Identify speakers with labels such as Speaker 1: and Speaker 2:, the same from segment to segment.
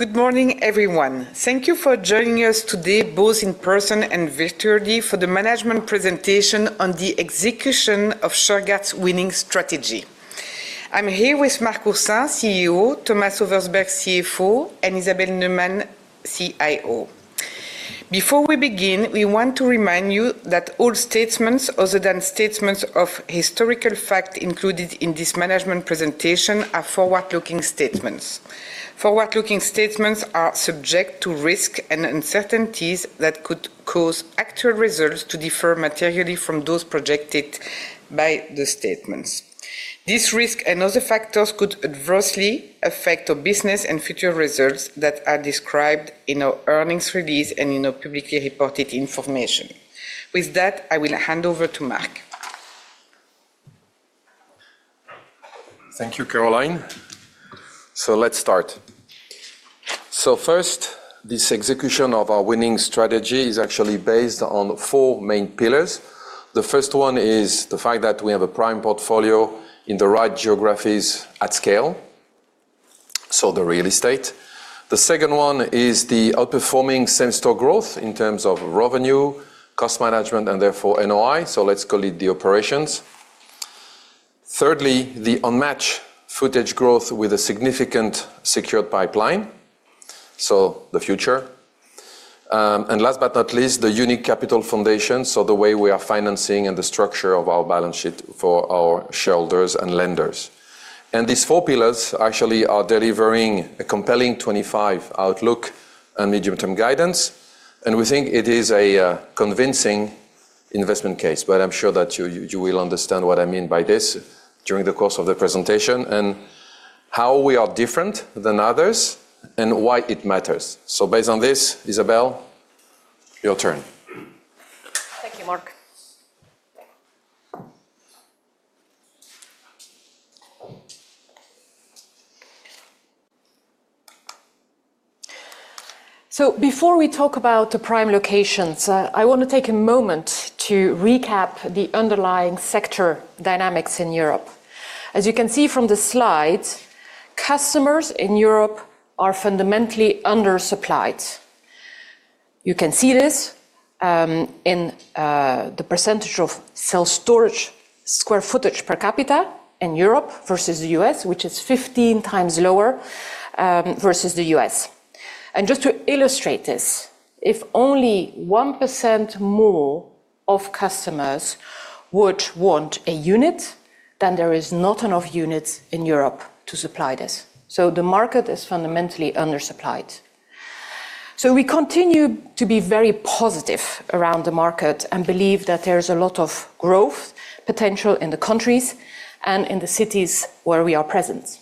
Speaker 1: Good morning, everyone. Thank you for joining us today, both in person and virtually, for the management presentation on the execution of Shurgard's winning strategy. I'm here with Marc Oursin, CEO; Thomas Oversberg, CFO; and Isabel Neumann, CIO. Before we begin, we want to remind you that all statements, other than statements of historical facts included in this management presentation, are forward-looking statements. Forward-looking statements are subject to risks and uncertainties that could cause actual results to differ materially from those projected by the statements. These risks and other factors could adversely affect our business and future results that are described in our earnings release and in our publicly reported information. With that, I will hand over to Marc.
Speaker 2: Thank you, Caroline. Let's start. First, this execution of our winning strategy is actually based on four main pillars. The first one is the fact that we have a prime portfolio in the right geographies at scale, so the real estate. The second one is the outperforming same-store growth in terms of revenue, cost management, and therefore NOI, so let's call it the Operations. Thirdly, the unmatched square footage growth with a significant secured pipeline, so the Future. Last but not least, the unique capital foundation, so the way we are financing and the structure of our balance sheet for our shareholders and lenders. These four pillars actually are delivering a compelling 2025 outlook and medium-term guidance. We think it is a convincing investment case, but I'm sure that you will understand what I mean by this during the course of the presentation and how we are different than others and why it matters. Based on this, Isabel, your turn.
Speaker 3: Thank you, Marc. So before we talk about the prime locations, I want to take a moment to recap the underlying sector dynamics in Europe. As you can see from the slides, customers in Europe are fundamentally undersupplied. You can see this in the percentage of self-storage square footage per capita in Europe versus the U.S., which is 15 times lower versus the U.S. And just to illustrate this, if only 1% more of customers would want a unit, then there is not enough units in Europe to supply this. So the market is fundamentally undersupplied. So we continue to be very positive around the market and believe that there is a lot of growth potential in the countries and in the cities where we are present.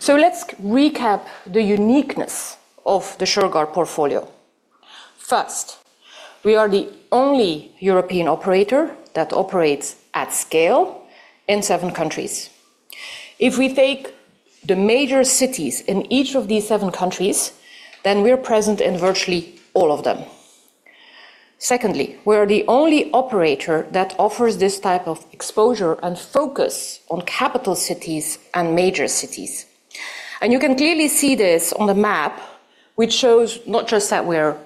Speaker 3: So let's recap the uniqueness of the Shurgard portfolio. First, we are the only European operator that operates at scale in seven countries. If we take the major cities in each of these seven countries, then we are present in virtually all of them. Secondly, we are the only operator that offers this type of exposure and focus on capital cities and major cities. And you can clearly see this on the map, which shows not just that we have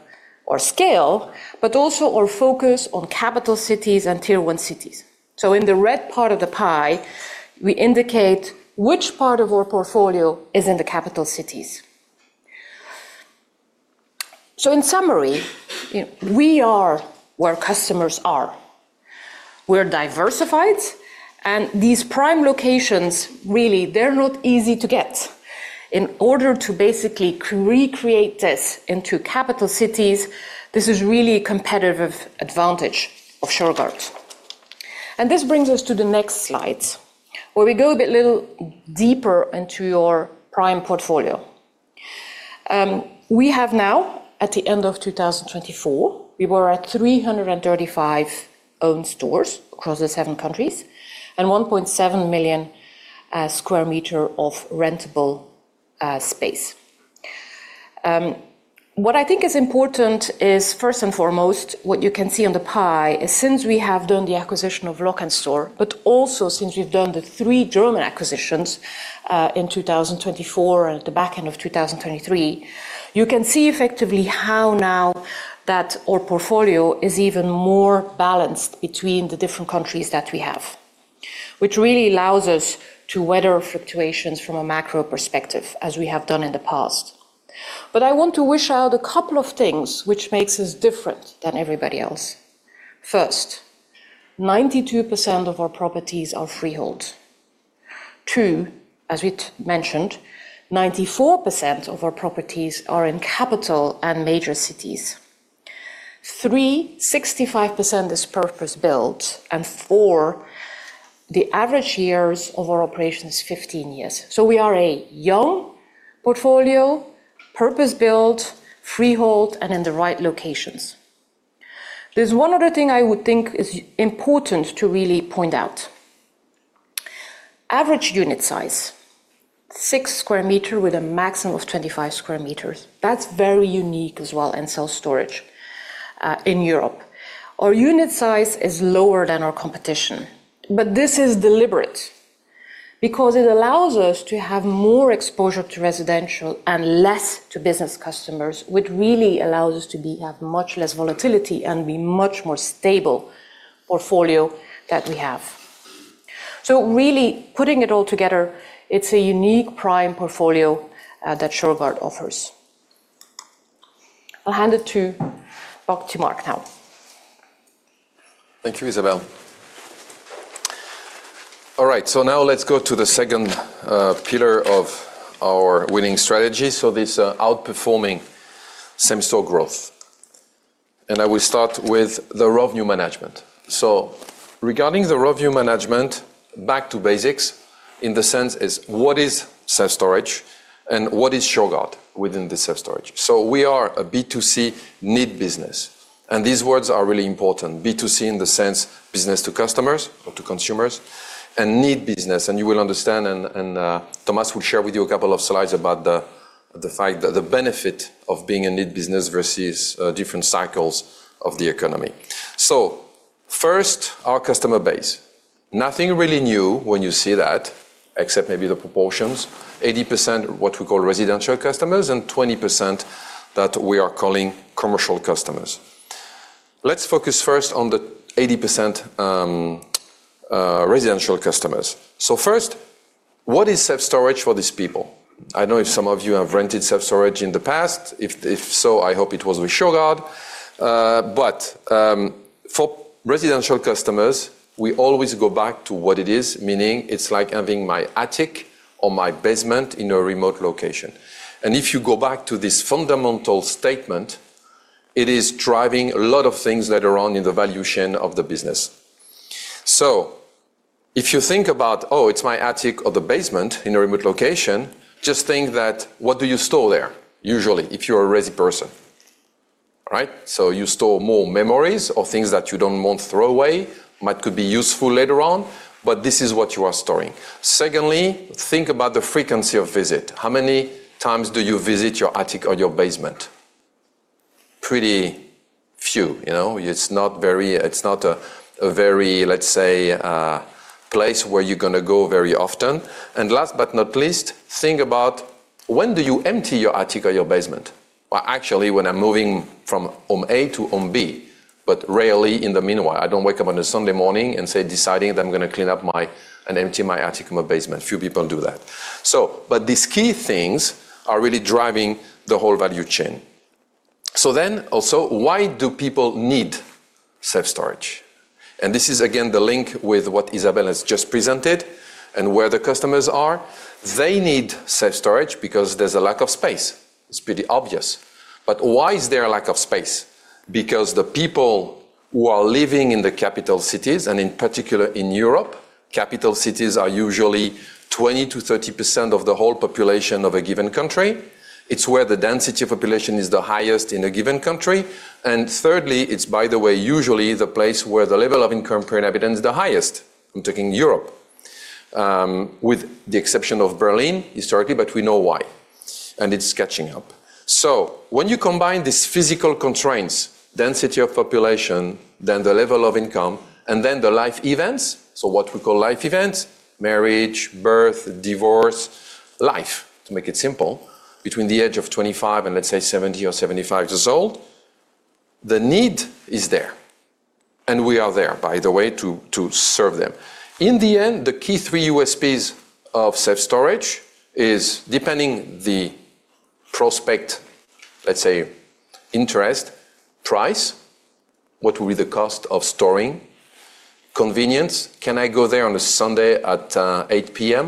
Speaker 3: our scale, but also our focus on capital cities and Tier 1 cities. So in the red part of the pie, we indicate which part of our portfolio is in the capital cities. So in summary, we are where customers are. We're diversified. And these prime locations, really, they're not easy to get. In order to basically recreate this into capital cities, this is really a competitive advantage of Shurgard. This brings us to the next slides, where we go a little bit deeper into our prime portfolio. We have now, at the end of 2024, we were at 335 owned stores across the seven countries and 1.7 million square meters of rentable space. What I think is important is, first and foremost, what you can see on the pie is, since we have done the acquisition of Lok'nStore, but also since we've done the three German acquisitions in 2024 and at the back end of 2023, you can see effectively how now that our portfolio is even more balanced between the different countries that we have, which really allows us to weather fluctuations from a macro perspective, as we have done in the past. I want to flesh out a couple of things which makes us different than everybody else. First, 92% of our properties are freehold. Two, as we mentioned, 94% of our properties are in capital and major cities. Three, 65% is purpose-built. And four, the average years of our operation is 15 years. So we are a young portfolio, purpose-built, freehold, and in the right locations. There's one other thing I would think is important to really point out. Average unit size, six square meters with a maximum of 25 square meters. That's very unique as well in self-storage in Europe. Our unit size is lower than our competition. But this is deliberate because it allows us to have more exposure to residential and less to business customers, which really allows us to have much less volatility and be a much more stable portfolio that we have. So really, putting it all together, it's a unique prime portfolio that Shurgard offers. I'll hand it to Marc now.
Speaker 2: Thank you, Isabel. All right, so now let's go to the second pillar of our winning strategy, so this outperforming same-store growth. And I will start with the revenue management. So regarding the revenue management, back to basics in the sense is, what is self-storage and what is Shurgard within the self-storage? So we are a B2C need business. And these words are really important. B2C in the sense business to customers or to consumers and need business. And you will understand, and Thomas will share with you a couple of slides about the fact that the benefit of being a need business versus different cycles of the economy. So first, our customer base. Nothing really new when you see that, except maybe the proportions, 80% what we residential customers and 20% that we are calling commercial customers. Let's focus first on the 80% residential customers. So first, what is self-storage for these people? I know if some of you have rented self-storage in the past. If so, I hope it was with Shurgard. But residential customers, we always go back to what it is, meaning it's like having my attic or my basement in a remote location. And if you go back to this fundamental statement, it is driving a lot of things later on in the value chain of the business. So if you think about, oh, it's my attic or the basement in a remote location, just think that what do you store there usually if you're a lazy person? Right? So you store more memories or things that you don't want to throw away, might could be useful later on, but this is what you are storing. Secondly, think about the frequency of visit. How many times do you visit your attic or your basement? Pretty few. It's not a very, let's say, place where you're going to go very often. And last but not least, think about when do you empty your attic or your basement? Well, actually, when I'm moving from home A to home B, but rarely in the meanwhile. I don't wake up on a Sunday morning and say, deciding that I'm going to clean up and empty my attic and my basement. Few people do that. But these key things are really driving the whole value chain. So then also, why do people need self-storage? And this is, again, the link with what Isabel has just presented and where the customers are. They need self-storage because there's a lack of space. It's pretty obvious. But why is there a lack of space? Because the people who are living in the capital cities, and in particular in Europe, capital cities are usually 20%-30% of the whole population of a given country. It's where the density of population is the highest in a given country. And thirdly, it's, by the way, usually the place where the level of income per inhabitant is the highest. I'm talking Europe, with the exception of Berlin historically, but we know why. And it's catching up. So when you combine these physical constraints, density of population, then the level of income, and then the life events, so what we call life events, marriage, birth, divorce, life, to make it simple, between the age of 25 and, let's say, 70 or 75 years old, the need is there. And we are there, by the way, to serve them. In the end, the key three USPs of self-storage is, depending on the perspective, let's say, interest, price, what will be the cost of storing, convenience, can I go there on a Sunday at 8:00 P.M.?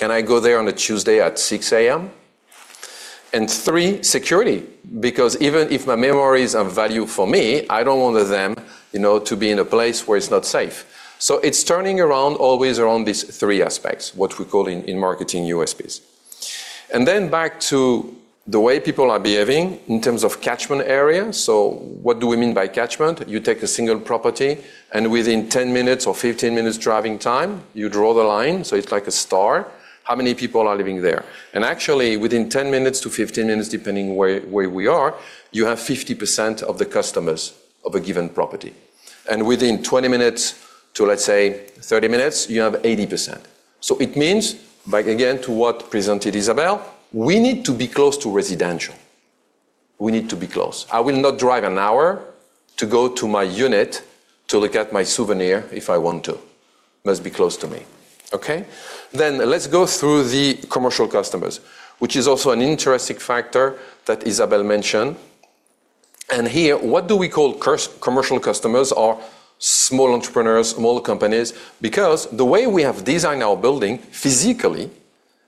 Speaker 2: Can I go there on a Tuesday at 6:00 A.M.? And three, security, because even if my memories are valuable for me, I don't want them to be in a place where it's not safe. So it's turning around always around these three aspects, what we call in marketing USPs. And then back to the way people are behaving in terms of catchment area. So what do we mean by catchment? You take a single property, and within 10 minutes or 15 minutes driving time, you draw the line. So it's like a store. How many people are living there? And actually, within 10 minutes to 15 minutes, depending where we are, you have 50% of the customers of a given property. And within 20 minutes to, let's say, 30 minutes, you have 80%. So it means, again, to what Isabel presented, we need to be close to residential. We need to be close. I will not drive an hour to go to my unit to look at my souvenir if I want to. It must be close to me. Okay? Then let's go through the commercial customers, which is also an interesting factor that Isabel mentioned. And here, what do we call commercial customers or small entrepreneurs, small companies? Because the way we have designed our building, physically,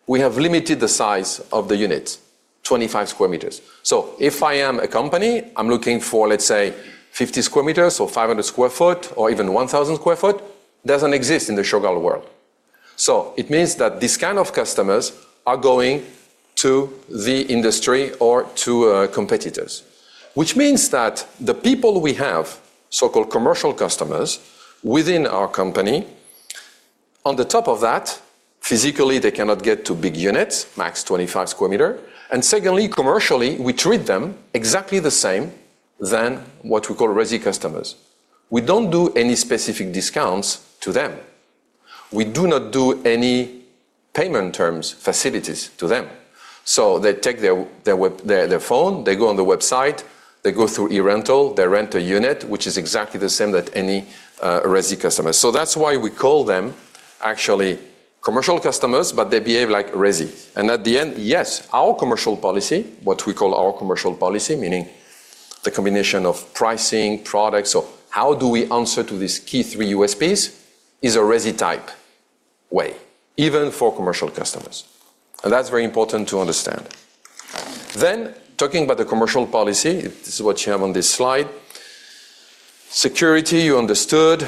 Speaker 2: we have limited the size of the units, 25 square meters. So if I am a company, I'm looking for, let's say, 50 square meters or 500 sq ft or even 1,000 sq ft, doesn't exist in the Shurgard world. So it means that these kind of customers are going to the industry or to competitors, which means that the people we have, so-called commercial customers, within our company, on the top of that, physically, they cannot get to big units, max 25 square meters. And secondly, commercially, we treat them exactly the same than what we call resi customers. We don't do any specific discounts to them. We do not do any payment terms facilities to them. So they take their phone, they go on the website, they go through e-Rental, they rent a unit, which is exactly the same as any resi customers. So that's why we call them actually commercial customers, but they behave like resi. At the end, yes, our commercial policy, what we call our commercial policy, meaning the combination of pricing, products, or how do we answer to these key three USPs, is a resi type way, even for commercial customers. That's very important to understand. Talking about the commercial policy, this is what you have on this slide. Security, you understood.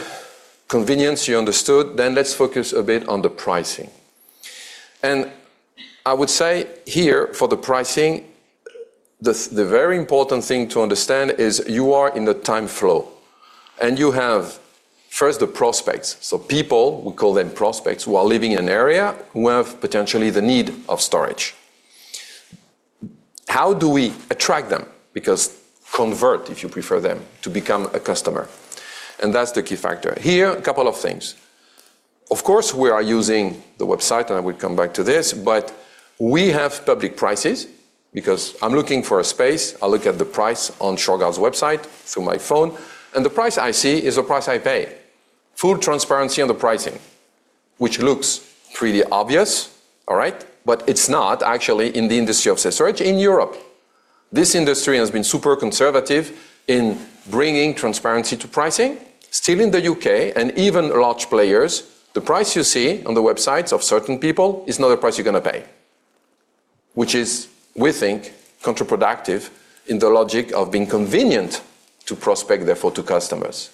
Speaker 2: Convenience, you understood. Let's focus a bit on the pricing. I would say here, for the pricing, the very important thing to understand is you are in the time flow. You have, first, the prospects. People, we call them prospects, who are living in an area who have potentially the need of storage. How do we attract them? Because convert, if you prefer them, to become a customer. That's the key factor. Here, a couple of things. Of course, we are using the website, and I will come back to this, but we have public prices because I'm looking for a space. I'll look at the price on Shurgard's website through my phone, and the price I see is the price I pay. Full transparency on the pricing, which looks pretty obvious, all right? But it's not actually in the industry of self-storage in Europe. This industry has been super conservative in bringing transparency to pricing. Still in the U.K. and even large players, the price you see on the websites of certain people is not the price you're going to pay, which is, we think, counterproductive in the logic of being convenient to prospects, therefore, to customers.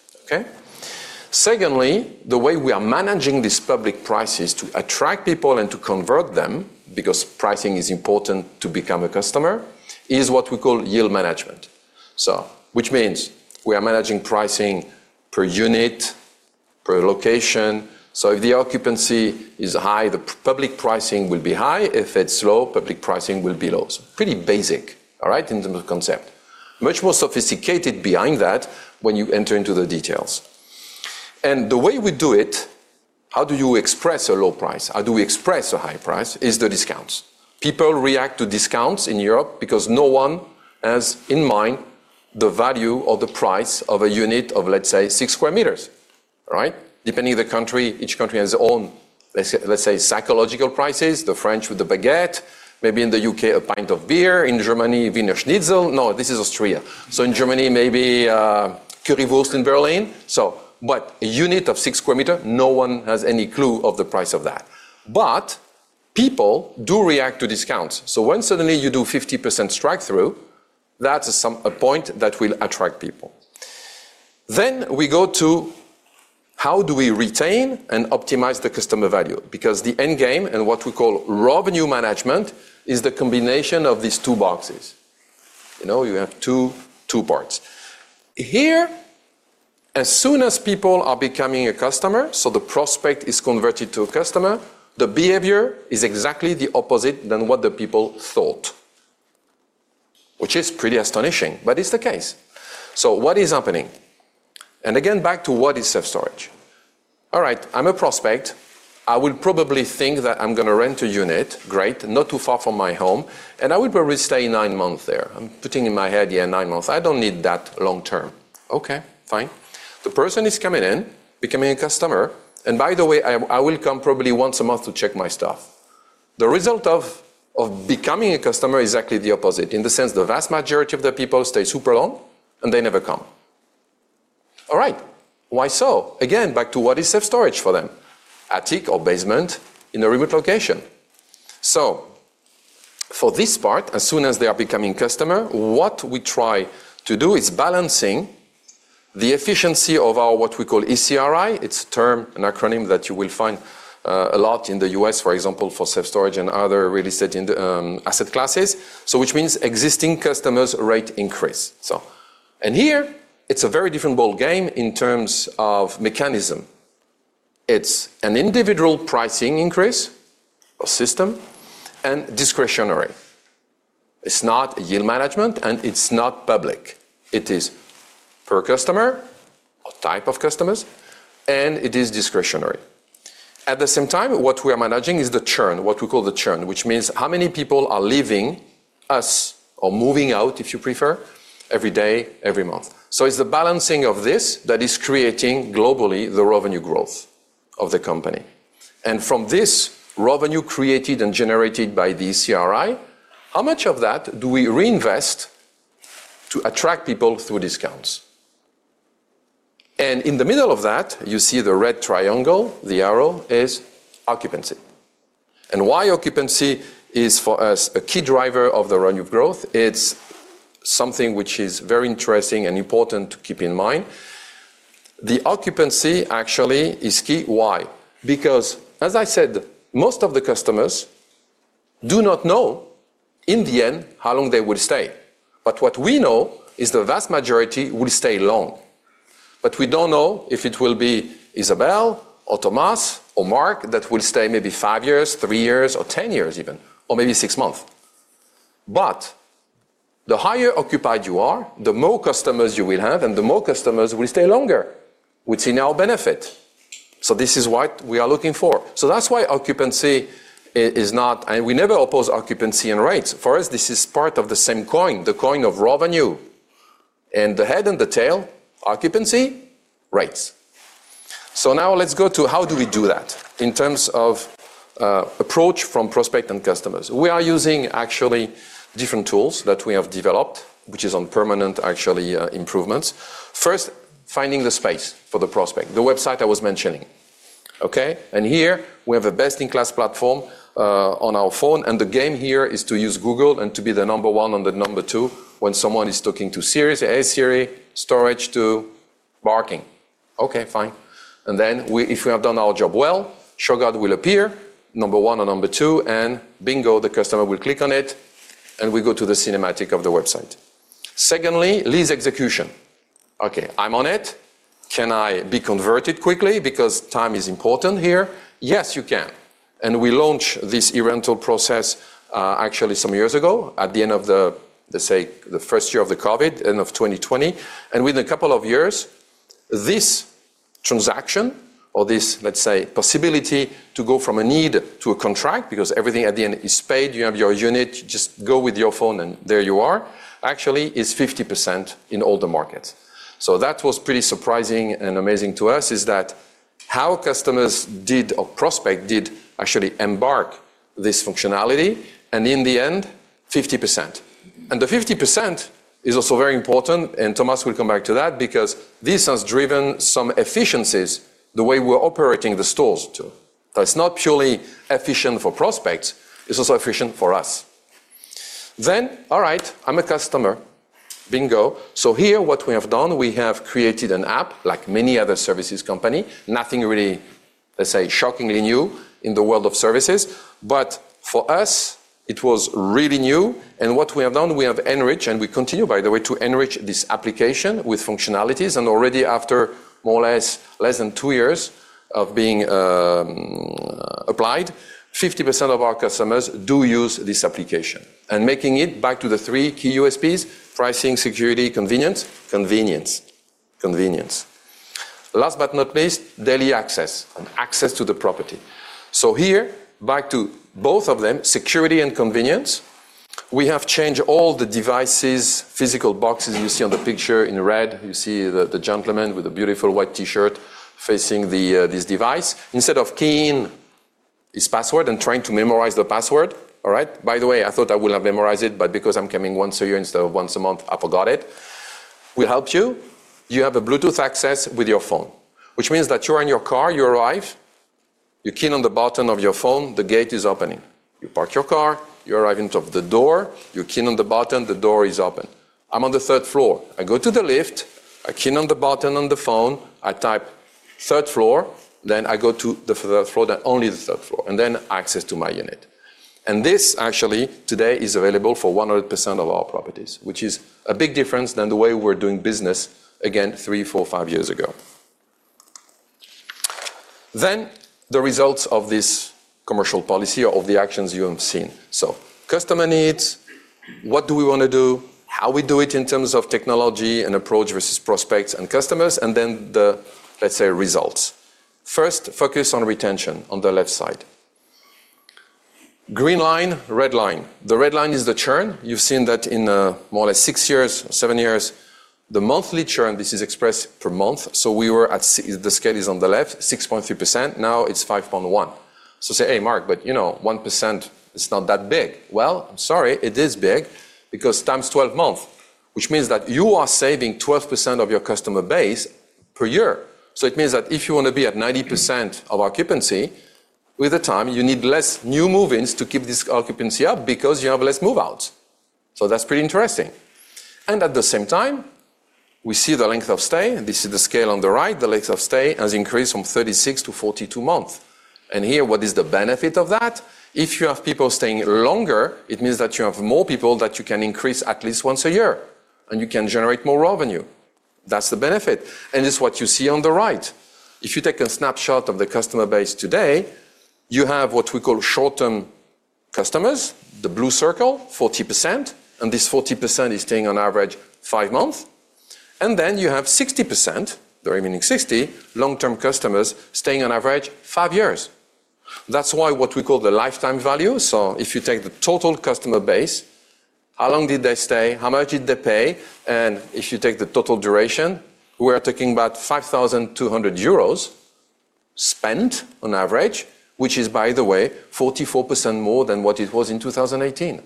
Speaker 2: Okay? Secondly, the way we are managing these public prices to attract people and to convert them, because pricing is important to become a customer, is what we call yield management, which means we are managing pricing per unit, per location. So if the occupancy is high, the public pricing will be high. If it's low, public pricing will be low. So pretty basic, all right, in terms of concept. Much more sophisticated behind that when you enter into the details. The way we do it, how do you express a low price? How do we express a high price? It's the discounts. People react to discounts in Europe because no one has in mind the value or the price of a unit of, let's say, six square meters. All right? Depending on the country, each country has its own, let's say, psychological prices. The French with the baguette, maybe in the U.K., a pint of beer. In Germany, Wiener Schnitzel. No, this is Austria. So in Germany, maybe currywurst in Berlin. But a unit of six square meters, no one has any clue of the price of that. But people do react to discounts. So when suddenly you do 50% strike-through, that's a point that will attract people. Then we go to how do we retain and optimize the customer value? Because the end game and what we call revenue management is the combination of these two boxes. You have two parts. Here, as soon as people are becoming a customer, so the prospect is converted to a customer, the behavior is exactly the opposite than what the people thought, which is pretty astonishing, but it's the case. So what is happening? And again, back to what is self-Storage. All right, I'm a prospect. I will probably think that I'm going to rent a unit, great, not too far from my home, and I will probably stay nine months there. I'm putting in my head, yeah, nine months. I don't need that long term. Okay, fine. The person is coming in, becoming a customer. And by the way, I will come probably once a month to check my stuff. The result of becoming a customer is exactly the opposite, in the sense the vast majority of the people stay super long, and they never come. All right, why so? Again, back to what is self-Storage for them? Attic or basement in a remote location. So for this part, as soon as they are becoming customer, what we try to do is balancing the efficiency of our what we call ECRI. It's a term and acronym that you will find a lot in the U.S., for example, for self-storage and other real estate asset classes, which means Existing Customers Rate Increase. And here, it's a very different ball game in terms of mechanism. It's an individual pricing increase or systemic and discretionary. It's not yield management, and it's not public. It is per customer or type of customers, and it is discretionary. At the same time, what we are managing is the churn, what we call the churn, which means how many people are leaving us or moving out, if you prefer, every day, every month. So it's the balancing of this that is creating globally the revenue growth of the company. And from this revenue created and generated by the ECRI, how much of that do we reinvest to attract people through discounts? In the middle of that, you see the red triangle. The arrow is occupancy. And why occupancy is for us a key driver of the revenue growth? It's something which is very interesting and important to keep in mind. The occupancy actually is key. Why? Because, as I said, most of the customers do not know in the end how long they will stay. But what we know is the vast majority will stay long. But we don't know if it will be Isabel or Thomas or Marc that will stay maybe five years, three years, or ten years even, or maybe six months. But the higher occupied you are, the more customers you will have, and the more customers will stay longer, which in our benefit. So this is what we are looking for. So that's why occupancy is not, and we never oppose occupancy and rates. For us, this is part of the same coin, the coin of revenue. And the head and the tail, occupancy, rates. So now let's go to how do we do that in terms of approach from prospect and customers. We are using actually different tools that we have developed, which is on permanent actually improvements. First, finding the space for the prospect, the website I was mentioning. Okay? And here, we have a best-in-class platform on our phone. And the game here is to use Google and to be the number one and the number two when someone is talking to Siri, say, "Hey, Siri, storage to parking." Okay, fine. And then if we have done our job well, Shurgard will appear, number one or number two, and bingo, the customer will click on it, and we go to the cinematic of the website. Secondly, Lease Execution. Okay, I'm on it. Can I be converted quickly because time is important here? Yes, you can. We launched this e-Rental process actually some years ago at the end of the, let's say, the first year of the COVID, end of 2020. Within a couple of years, this transaction or this, let's say, possibility to go from a need to a contract, because everything at the end is paid, you have your unit, you just go with your phone and there you are, actually is 50% in all the markets. So that was pretty surprising and amazing to us is that how customers did or prospects did actually embark this functionality and in the end, 50%. The 50% is also very important. Thomas will come back to that because this has driven some efficiencies the way we're operating the stores too. It's not purely efficient for prospects. It's also efficient for us. Then, all right, I'm a customer. Bingo. So here, what we have done, we have created an app like many other services companies. Nothing really, let's say, shockingly new in the world of services. But for us, it was really new. And what we have done, we have enriched, and we continue, by the way, to enrich this application with functionalities. And already after more or less than two years of being applied, 50% of our customers do use this application. And making it back to the three key USPs, Pricing, Security, Convenience, Convenience, Convenience. Last but not least, daily access and access to the property. So here, back to both of them, security and convenience, we have changed all the devices, physical boxes you see on the picture in red. You see the gentleman with the beautiful white T-shirt facing this device. Instead of keying his password and trying to memorize the password, all right? By the way, I thought I would have memorized it, but because I'm coming once a year instead of once a month, I forgot it. We help you. You have Bluetooth access with your phone, which means that you're in your car, you arrive, you key in on the button of your phone, the gate is opening. You park your car, you arrive in front of the door, you key in on the button, the door is open. I'm on the third floor. I go to the lift, I key in on the button on the phone, I type third floor, then I go to the third floor, then only the third floor, and then access to my unit. And this actually today is available for 100% of our properties, which is a big difference than the way we were doing business again three, four, five years ago. Then the results of this commercial policy or of the actions you have seen. So customer needs, what do we want to do, how we do it in terms of technology and approach versus prospects and customers, and then the, let's say, results. First, focus on retention on the left side. Green line, red line. The red line is the churn. You've seen that in more or less six years, seven years. The monthly churn, this is expressed per month. So we were at the scale is on the left, 6.3%. Now it's 5.1%. Say, "Hey, Marc, but you know 1%, it's not that big." Well, sorry, it is big because times 12 months, which means that you are saving 12% of your customer base per year. So it means that if you want to be at 90% of occupancy, with the time, you need less new movings to keep this occupancy up because you have less move-outs. So that's pretty interesting. And at the same time, we see the length of stay. This is the scale on the right. The length of stay has increased from 36 months to 42 months. And here, what is the benefit of that? If you have people staying longer, it means that you have more people that you can increase at least once a year, and you can generate more revenue. That's the benefit. And it's what you see on the right. If you take a snapshot of the customer base today, you have what we call short-term customers, the blue circle, 40%, and this 40% is staying on average five months. And then you have 60%, the remaining 60, long-term customers staying on average five years. That's why what we call the lifetime value. So if you take the total customer base, how long did they stay? How much did they pay? And if you take the total duration, we're talking about 5,200 euros spent on average, which is, by the way, 44% more than what it was in 2018.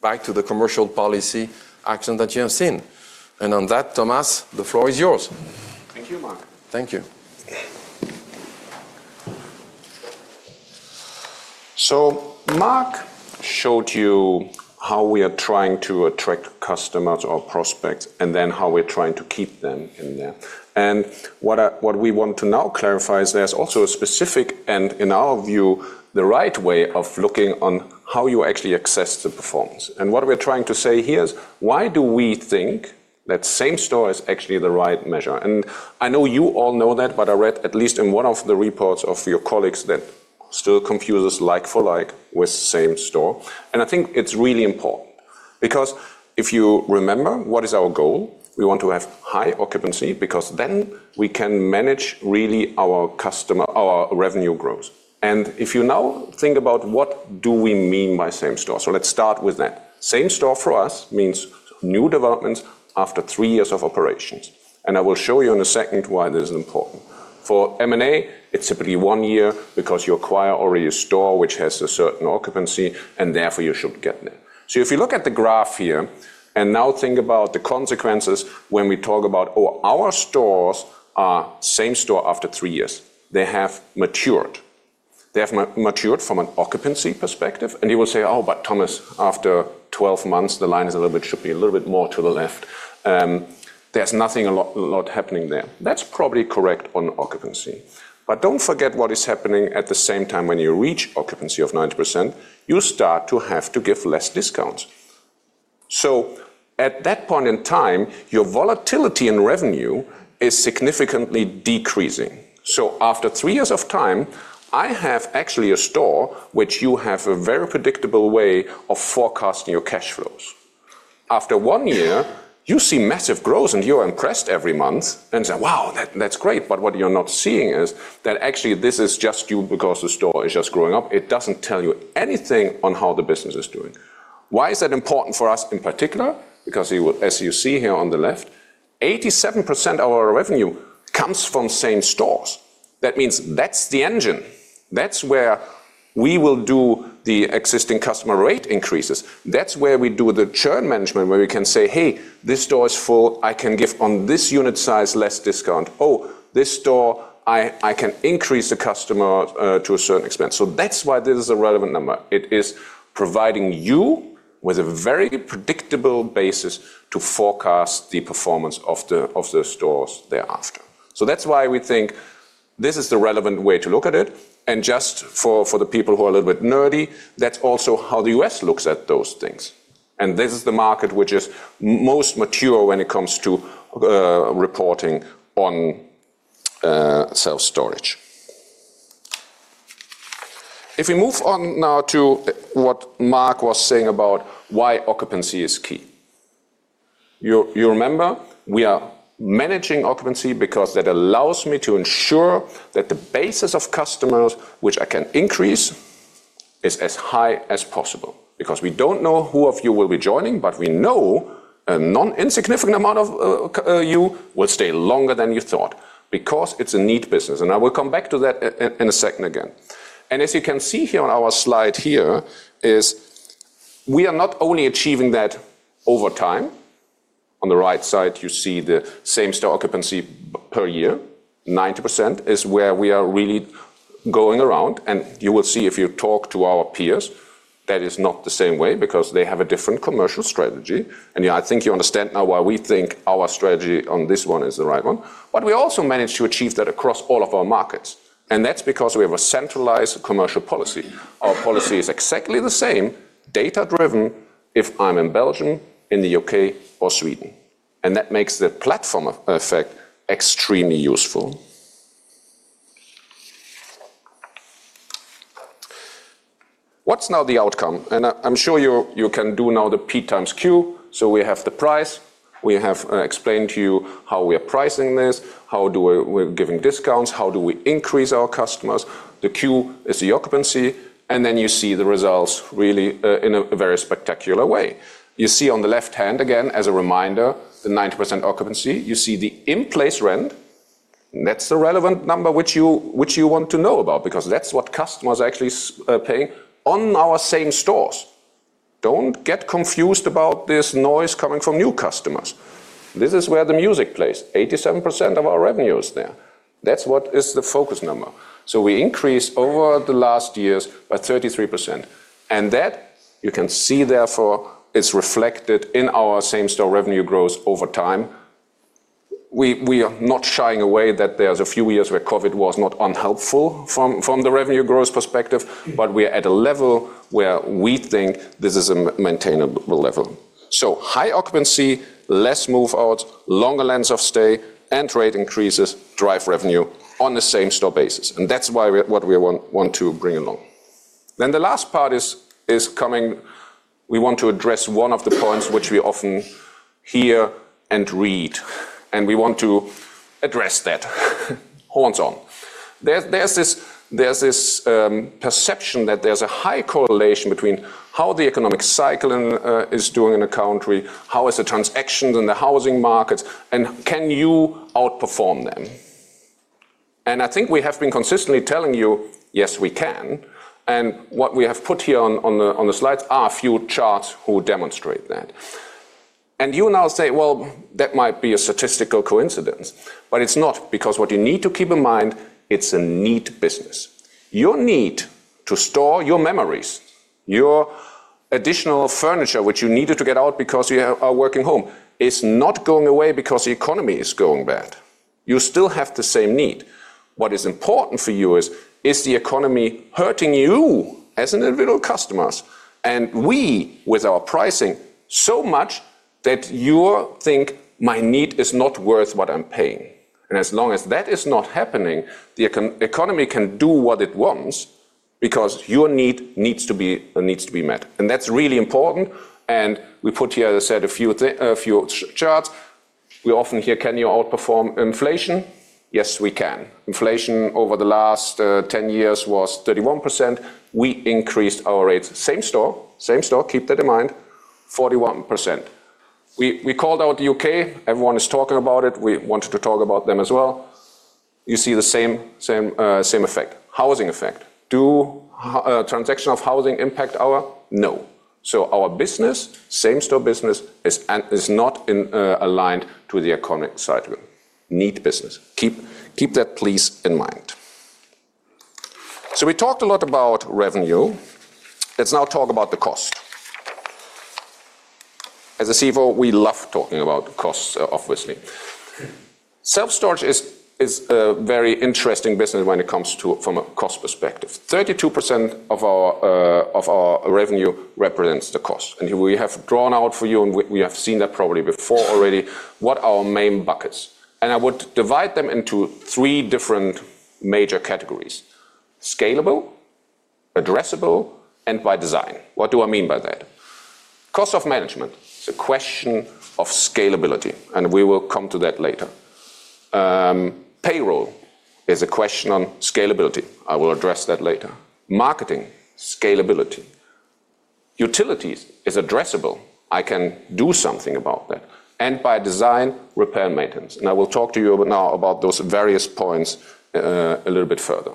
Speaker 2: Back to the commercial policy action that you have seen. And on that, Thomas, the floor is yours.
Speaker 4: Thank you, Marc.
Speaker 2: Thank you.
Speaker 4: So Marc showed you how we are trying to attract customers or prospects and then how we're trying to keep them in there. What we want to now clarify is there's also a specific, and in our view, the right way of looking at how you actually assess the performance. What we're trying to say here is why do we think that same store is actually the right measure? I know you all know that, but I read at least in one of the reports of your colleagues that still confuses like for like with same store. I think it's really important because if you remember, what is our goal? We want to have high occupancy because then we can manage really our customer, our revenue growth. If you now think about what do we mean by same store, so let's start with that. Same store for us means new developments after three years of operations. I will show you in a second why this is important. For M&A, it's typically one year because you acquire already a store which has a certain occupancy, and therefore you should get there. So if you look at the graph here and now think about the consequences when we talk about, oh, our stores are same store after three years. They have matured. They have matured from an occupancy perspective. And you will say, "Oh, but Thomas, after 12 months, the line is a little bit should be a little bit more to the left. There's nothing a lot happening there." That's probably correct on occupancy. But don't forget what is happening at the same time when you reach occupancy of 90%, you start to have to give less discounts. So at that point in time, your volatility in revenue is significantly decreasing. So after three years of time, I have actually a store which you have a very predictable way of forecasting your cash flows. After one year, you see massive growth and you're impressed every month and say, "Wow, that's great." But what you're not seeing is that actually this is just due because the store is just growing up. It doesn't tell you anything on how the business is doing. Why is that important for us in particular? Because as you see here on the left, 87% of our revenue comes from same stores. That means that's the engine. That's where we will do the existing customers rate increases. That's where we do the churn management where we can say, "Hey, this store is full. I can give on this unit size less discount. Oh, this store, I can increase the customer to a certain expense," so that's why this is a relevant number. It is providing you with a very predictable basis to forecast the performance of the stores thereafter, so that's why we think this is the relevant way to look at it, and just for the people who are a little bit nerdy, that's also how the U.S. looks at those things, and this is the market which is most mature when it comes to reporting on self-storage. If we move on now to what Marc was saying about why occupancy is key. You remember we are managing occupancy because that allows me to ensure that the basis of customers which I can increase is as high as possible. Because we don't know who of you will be joining, but we know a non-insignificant amount of you will stay longer than you thought because it's a need business. And I will come back to that in a second again. And as you can see here on our slide here, we are not only achieving that over time. On the right side, you see the same store occupancy per year. 90% is where we are really going around. And you will see if you talk to our peers, that is not the same way because they have a different commercial strategy. And I think you understand now why we think our strategy on this one is the right one. But we also manage to achieve that across all of our markets. And that's because we have a centralized commercial policy. Our policy is exactly the same, data-driven, if I'm in Belgium, in the U.K., or Sweden. And that makes the platform effect extremely useful. What's now the outcome? And I'm sure you can do now the P times Q. So we have the price. We have explained to you how we are pricing this, how we're giving discounts, how do we increase our customers. The Q is the occupancy. And then you see the results really in a very spectacular way. You see on the left hand again, as a reminder, the 90% occupancy. You see the in-place rent. That's the relevant number which you want to know about because that's what customers actually are paying on our same stores. Don't get confused about this noise coming from new customers. This is where the music plays. 87% of our revenue is there. That's what is the focus number. So we increased over the last years by 33%. And that you can see therefore is reflected in our same store revenue growth over time. We are not shying away that there's a few years where COVID was not unhelpful from the revenue growth perspective, but we are at a level where we think this is a maintainable level. So high occupancy, less move-outs, longer lengths of stay, and rate increases drive revenue on the same store basis. And that's what we want to bring along. Then the last part is coming. We want to address one of the points which we often hear and read. And we want to address that. Hold on. There's this perception that there's a high correlation between how the economic cycle is doing in a country, how is the transactions in the housing markets, and can you outperform them? And I think we have been consistently telling you, yes, we can. And what we have put here on the slides are a few charts who demonstrate that. And you now say, "Well, that might be a statistical coincidence." But it's not because what you need to keep in mind, it's a need business. Your need to store your memories, your additional furniture which you needed to get out because you are working home is not going away because the economy is going bad. You still have the same need. What is important for you is, is the economy hurting you as individual customers? And we with our pricing so much that you think my need is not worth what I'm paying. And as long as that is not happening, the economy can do what it wants because your need needs to be met. And that's really important. We put here, as I said, a few charts. We often hear, "Can you outperform inflation?" Yes, we can. Inflation over the last 10 years was 31%. We increased our rates. Same store, same store, keep that in mind, 41%. We called out the U.K. Everyone is talking about it. We wanted to talk about them as well. You see the same effect. Housing effect. Do transactions of housing impact our? No. Our business, same store business, is not aligned to the economic cycle. New business. Keep that please in mind. We talked a lot about revenue. Let's now talk about the cost. As a CFO, we love talking about costs, obviously. Self-storage is a very interesting business when it comes to a cost perspective. 32% of our revenue represents the cost. And we have drawn out for you, and we have seen that probably before already, what our main buckets. And I would divide them into three different major categories: scalable, addressable, and by design. What do I mean by that? Cost of management is a question of scalability, and we will come to that later. Payroll is a question on scalability. I will address that later. Marketing, scalability. Utilities is addressable. I can do something about that. And by design, repair, maintenance. And I will talk to you now about those various points a little bit further.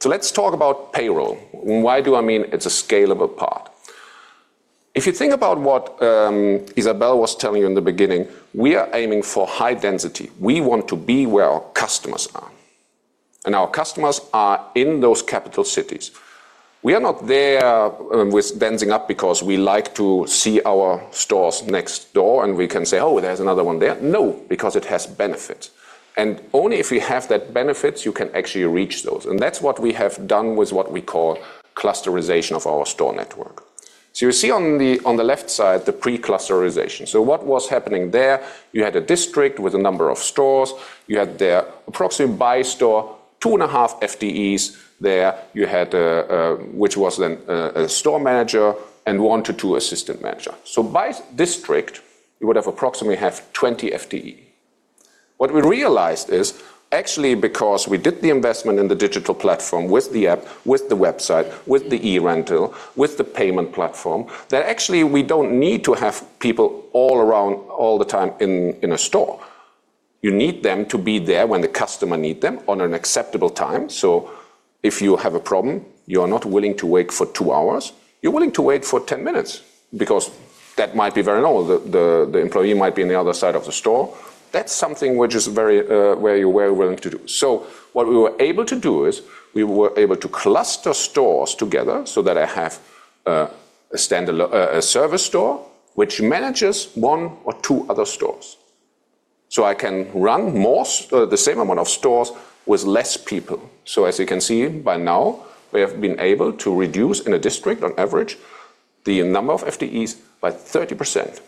Speaker 4: So let's talk about payroll. Why do I mean it's a scalable part? If you think about what Isabel was telling you in the beginning, we are aiming for high density. We want to be where our customers are. And our customers are in those capital cities. We are not there with densing up because we like to see our stores next door and we can say, "Oh, there's another one there." No, because it has benefits. And only if you have that benefits, you can actually reach those. And that's what we have done with what we call clusterization of our store network. So you see on the left side the pre-clusterization. So what was happening there? You had a district with a number of stores. You had there approximately by store, two and a half FTEs there. You had which was then a store manager and one to two assistant manager. So by district, you would have approximately have 20 FTE. What we realized is actually because we did the investment in the digital platform with the app, with the website, with the e-Rental, with the payment platform, that actually we don't need to have people all around all the time in a store. You need them to be there when the customer needs them on an acceptable time. So if you have a problem, you are not willing to wait for two hours. You're willing to wait for 10 minutes because that might be very long. The employee might be on the other side of the store. That's something which is very where you're very willing to do. So what we were able to do is we were able to cluster stores together so that I have a service store which manages one or two other stores. So I can run more the same amount of stores with less people. So, as you can see by now, we have been able to reduce in a district on average the number of FTEs by 30%.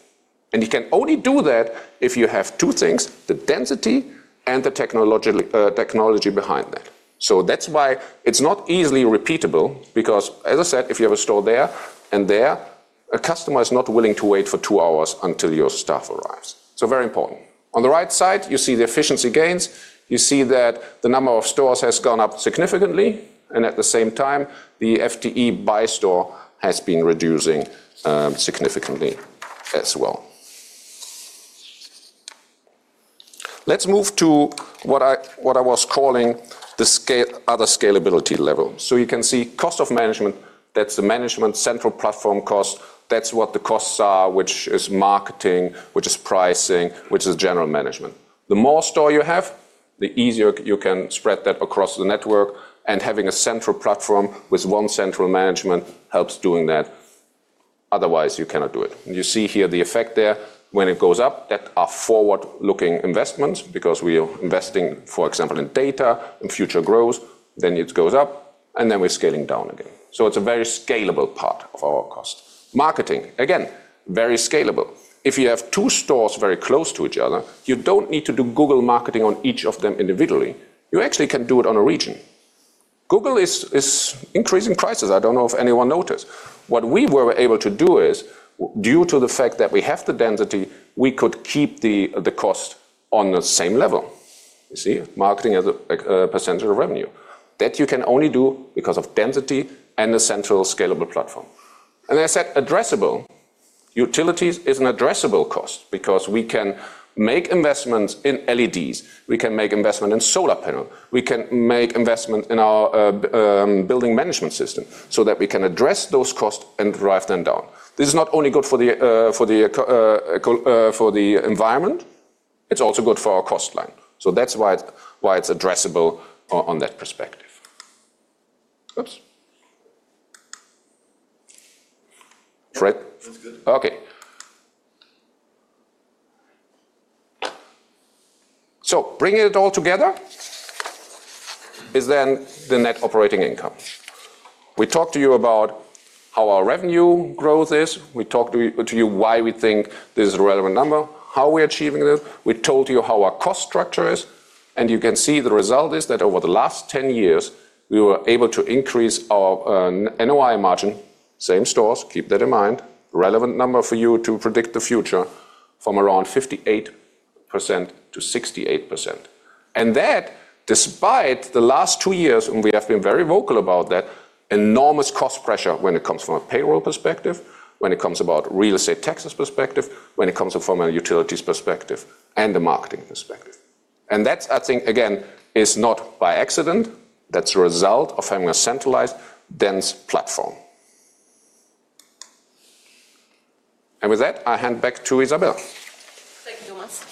Speaker 4: And you can only do that if you have two things, the density and the technology behind that. So that's why it's not easily repeatable because, as I said, if you have a store there and there, a customer is not willing to wait for two hours until your staff arrives. So very important. On the right side, you see the efficiency gains. You see that the number of stores has gone up significantly. And at the same time, the FTE by store has been reducing significantly as well. Let's move to what I was calling the other scalability level. So you can see cost of management, that's the management central platform cost. That's what the costs are, which is marketing, which is pricing, which is general management. The more store you have, the easier you can spread that across the network, and having a central platform with one central management helps doing that. Otherwise, you cannot do it, and you see here the effect there. When it goes up, that are forward-looking investments because we are investing, for example, in data and future growth. Then it goes up, and then we're scaling down again, so it's a very scalable part of our cost. Marketing, again, very scalable. If you have two stores very close to each other, you don't need to do Google marketing on each of them individually. You actually can do it on a region. Google is increasing prices. I don't know if anyone noticed. What we were able to do is, due to the fact that we have the density, we could keep the cost on the same level. You see marketing as a percentage of revenue. That you can only do because of density and the central scalable platform. And as I said, addressable. Utilities is an addressable cost because we can make investments in LEDs. We can make investment in solar panel. We can make investment in our building management system so that we can address those costs and drive them down. This is not only good for the environment, it's also good for our cost line. So that's why it's addressable on that perspective. Fred? That's good. Okay. So bringing it all together is then the Net Operating Income. We talked to you about how our revenue growth is. We talked to you why we think this is a relevant number, how we're achieving this. We told you how our cost structure is. And you can see the result is that over the last 10 years, we were able to increase our NOI margin, same stores, keep that in mind, relevant number for you to predict the future from around 58% to 68%. And that, despite the last two years when we have been very vocal about that enormous cost pressure when it comes from a payroll perspective, when it comes about real estate taxes perspective, when it comes from a utilities perspective, and the marketing perspective. And that's, I think, again, is not by accident. That's a result of having a centralized dense platform. And with that, I hand back to Isabel.
Speaker 3: Thank you so Thomas.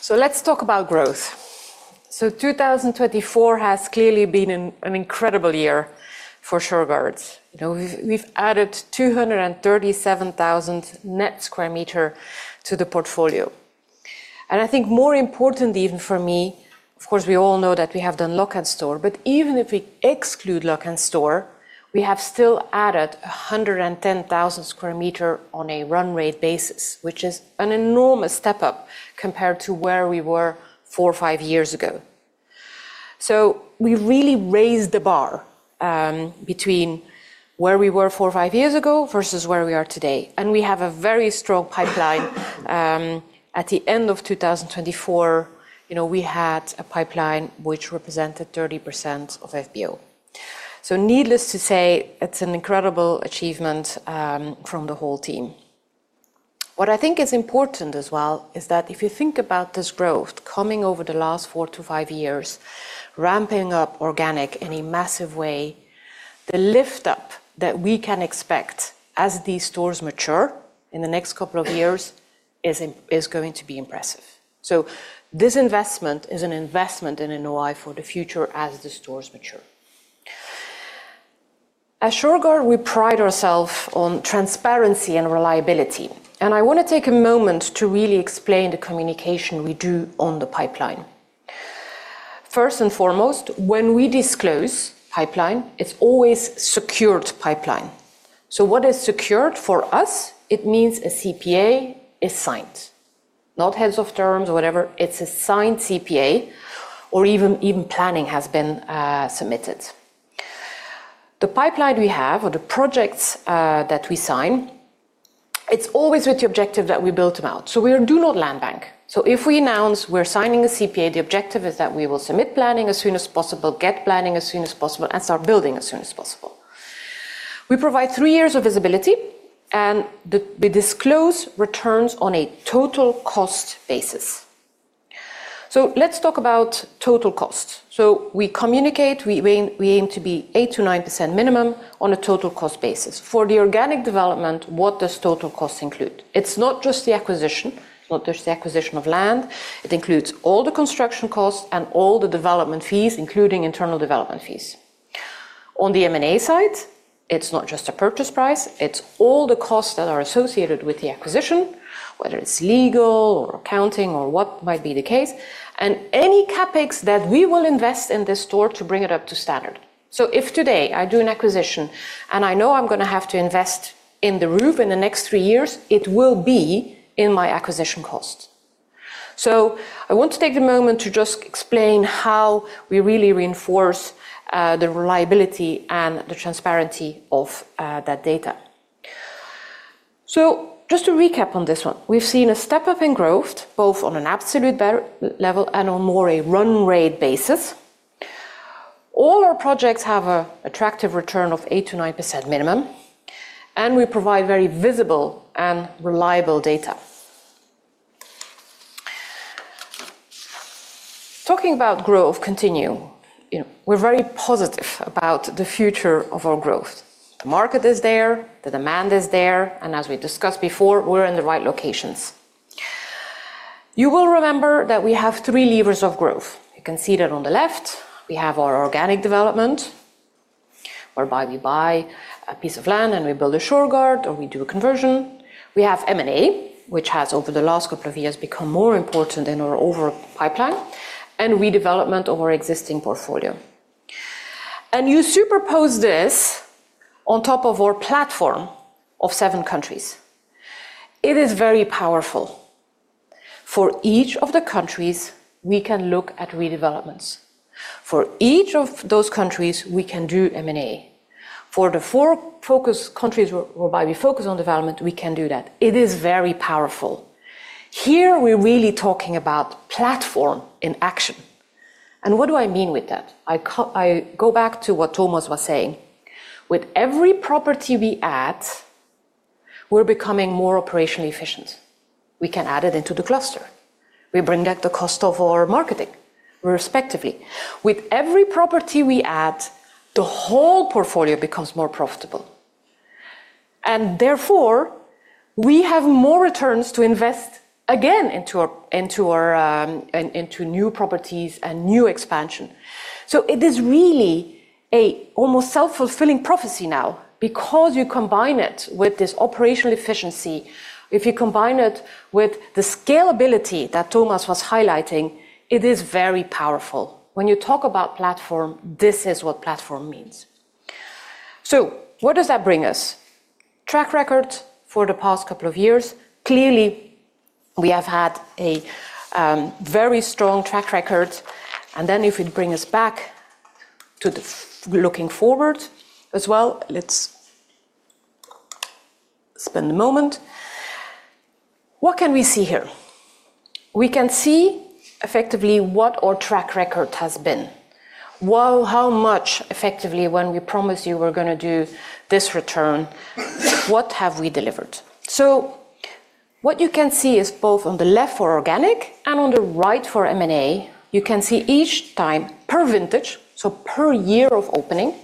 Speaker 3: So let's talk about growth. 2024 has clearly been an incredible year for Shurgard. We've added 237,000 net square meters to the portfolio. I think more important even for me, of course, we all know that we have done Lok'nStore. Even if we exclude Lok'nStore, we have still added 110,000 square meters on a run rate basis, which is an enormous step up compared to where we were four or five years ago. We really raised the bar between where we were four or five years ago versus where we are today. We have a very strong pipeline. At the end of 2024, we had a pipeline which represented 30% of FBO. Needless to say, it's an incredible achievement from the whole team. What I think is important as well is that if you think about this growth coming over the last four to five years, ramping up organic in a massive way, the lift-up that we can expect as these stores mature in the next couple of years is going to be impressive. So this investment is an investment in NOI for the future as the stores mature. At Shurgard, we pride ourselves on transparency and reliability, and I want to take a moment to really explain the communication we do on the pipeline. First and foremost, when we disclose pipeline, it's always secured pipeline. So what is secured for us? It means a SPA is signed. Not heads of terms or whatever. It's a signed SPA, or even planning has been submitted. The pipeline we have or the projects that we sign, it's always with the objective that we build them out, so we do not land bank, so if we announce we're signing a SPA, the objective is that we will submit planning as soon as possible, get planning as soon as possible, and start building as soon as possible. We provide three years of visibility, and we disclose returns on a total cost basis, so let's talk about total cost, so we communicate we aim to be 8%-9% minimum on a total cost basis. For the organic development, what does total cost include? It's not just the acquisition. It's not just the acquisition of land. It includes all the construction costs and all the development fees, including internal development fees. On the M&A side, it's not just a purchase price. It's all the costs that are associated with the acquisition, whether it's legal or accounting or what might be the case, and any CapEx that we will invest in this store to bring it up to standard. So if today I do an acquisition and I know I'm going to have to invest in the roof in the next three years, it will be in my acquisition cost. So I want to take a moment to just explain how we really reinforce the reliability and the transparency of that data. So just to recap on this one, we've seen a step up in growth both on an absolute level and on more a run rate basis. All our projects have an attractive return of 8%-9% minimum, and we provide very visible and reliable data. Talking about growth continue, we're very positive about the future of our growth. The market is there, the demand is there, and as we discussed before, we're in the right locations. You will remember that we have three levers of growth. You can see that on the left. We have our organic development, whereby we buy a piece of land and we build a Shurgard or we do a conversion. We have M&A, which has over the last couple of years become more important in our overall pipeline, and redevelopment of our existing portfolio, and you superpose this on top of our platform of seven countries. It is very powerful. For each of the countries, we can look at redevelopments. For each of those countries, we can do M&A. For the four focus countries whereby we focus on development, we can do that. It is very powerful. Here, we're really talking about platform in action, and what do I mean with that? I go back to what Thomas was saying. With every property we add, we're becoming more operationally efficient. We can add it into the cluster. We bring back the cost of our marketing, respectively. With every property we add, the whole portfolio becomes more profitable, and therefore we have more returns to invest again into new properties and new expansion. So it is really an almost self-fulfilling prophecy now because you combine it with this operational efficiency. If you combine it with the scalability that Thomas was highlighting, it is very powerful. When you talk about platform, this is what platform means, so what does that bring us? Track record for the past couple of years. Clearly, we have had a very strong track record, and then if we bring us back to looking forward as well, let's spend a moment. What can we see here? We can see effectively what our track record has been. How much effectively, when we promised you we're going to do this return, what have we delivered? So what you can see is both on the left for organic and on the right for M&A, you can see each time per vintage, so per year of opening,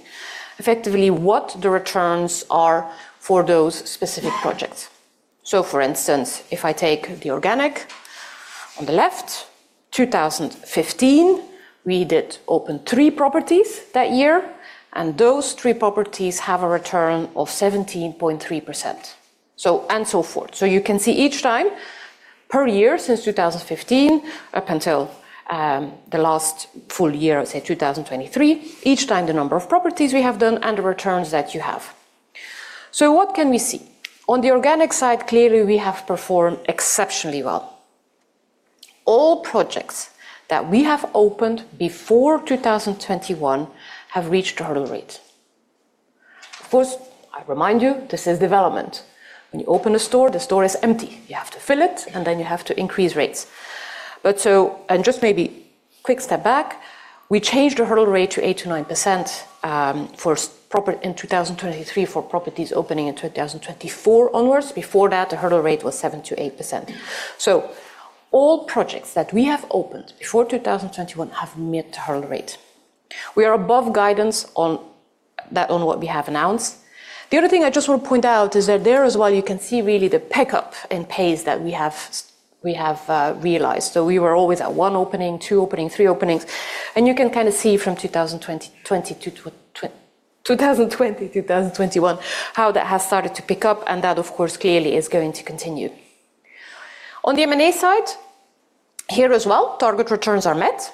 Speaker 3: effectively what the returns are for those specific projects. So for instance, if I take the organic on the left, 2015, we did open three properties that year, and those three properties have a return of 17.3% and so forth. So you can see each time per year since 2015 up until the last full year, I'd say 2023, each time the number of properties we have done and the returns that you have. So what can we see? On the Organic side, clearly we have performed exceptionally well. All projects that we have opened before 2021 have reached the hurdle rate. Of course, I remind you, this is development. When you open a store, the store is empty. You have to fill it, and then you have to increase rates, and just maybe a quick step back, we changed the hurdle rate to 8%-9% in 2023 for properties opening in 2024 onwards. Before that, the hurdle rate was 7%-8%, so all projects that we have opened before 2021 have met the hurdle rate. We are above guidance on what we have announced. The other thing I just want to point out is that there as well, you can see really the pickup in pace that we have realized, so we were always at one opening, two opening, three openings. You can kind of see from 2020 to 2021, how that has started to pick up, and that, of course, clearly is going to continue. On the M&A side here as well, target returns are met.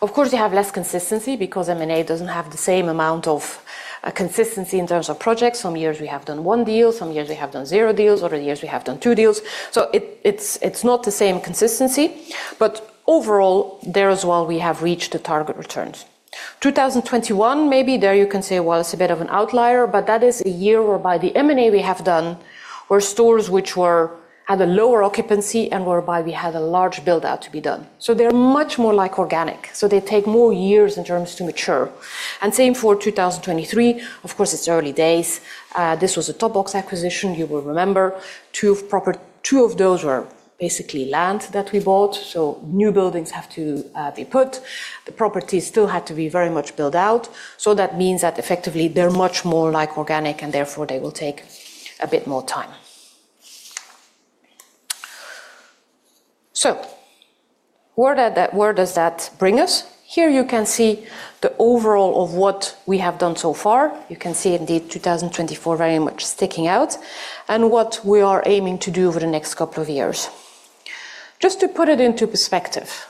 Speaker 3: Of course, you have less consistency because M&A doesn't have the same amount of consistency in terms of projects. Some years we have done one deal, some years we have done zero deals, other years we have done two deals. So it's not the same consistency. But overall, there as well, we have reached the target returns. 2021, maybe there you can say, well, it's a bit of an outlier, but that is a year whereby the M&A we have done were stores which had a lower occupancy and whereby we had a large build-out to be done. So they're much more like organic. So they take more years in terms to mature. And same for 2023. Of course, it's early days. This was a Top Box acquisition. You will remember two of those were basically land that we bought. So new buildings have to be put. The property still had to be very much built out. So that means that effectively they're much more like organic, and therefore they will take a bit more time. So where does that bring us? Here you can see the overall of what we have done so far. You can see indeed 2024 very much sticking out and what we are aiming to do over the next couple of years. Just to put it into perspective,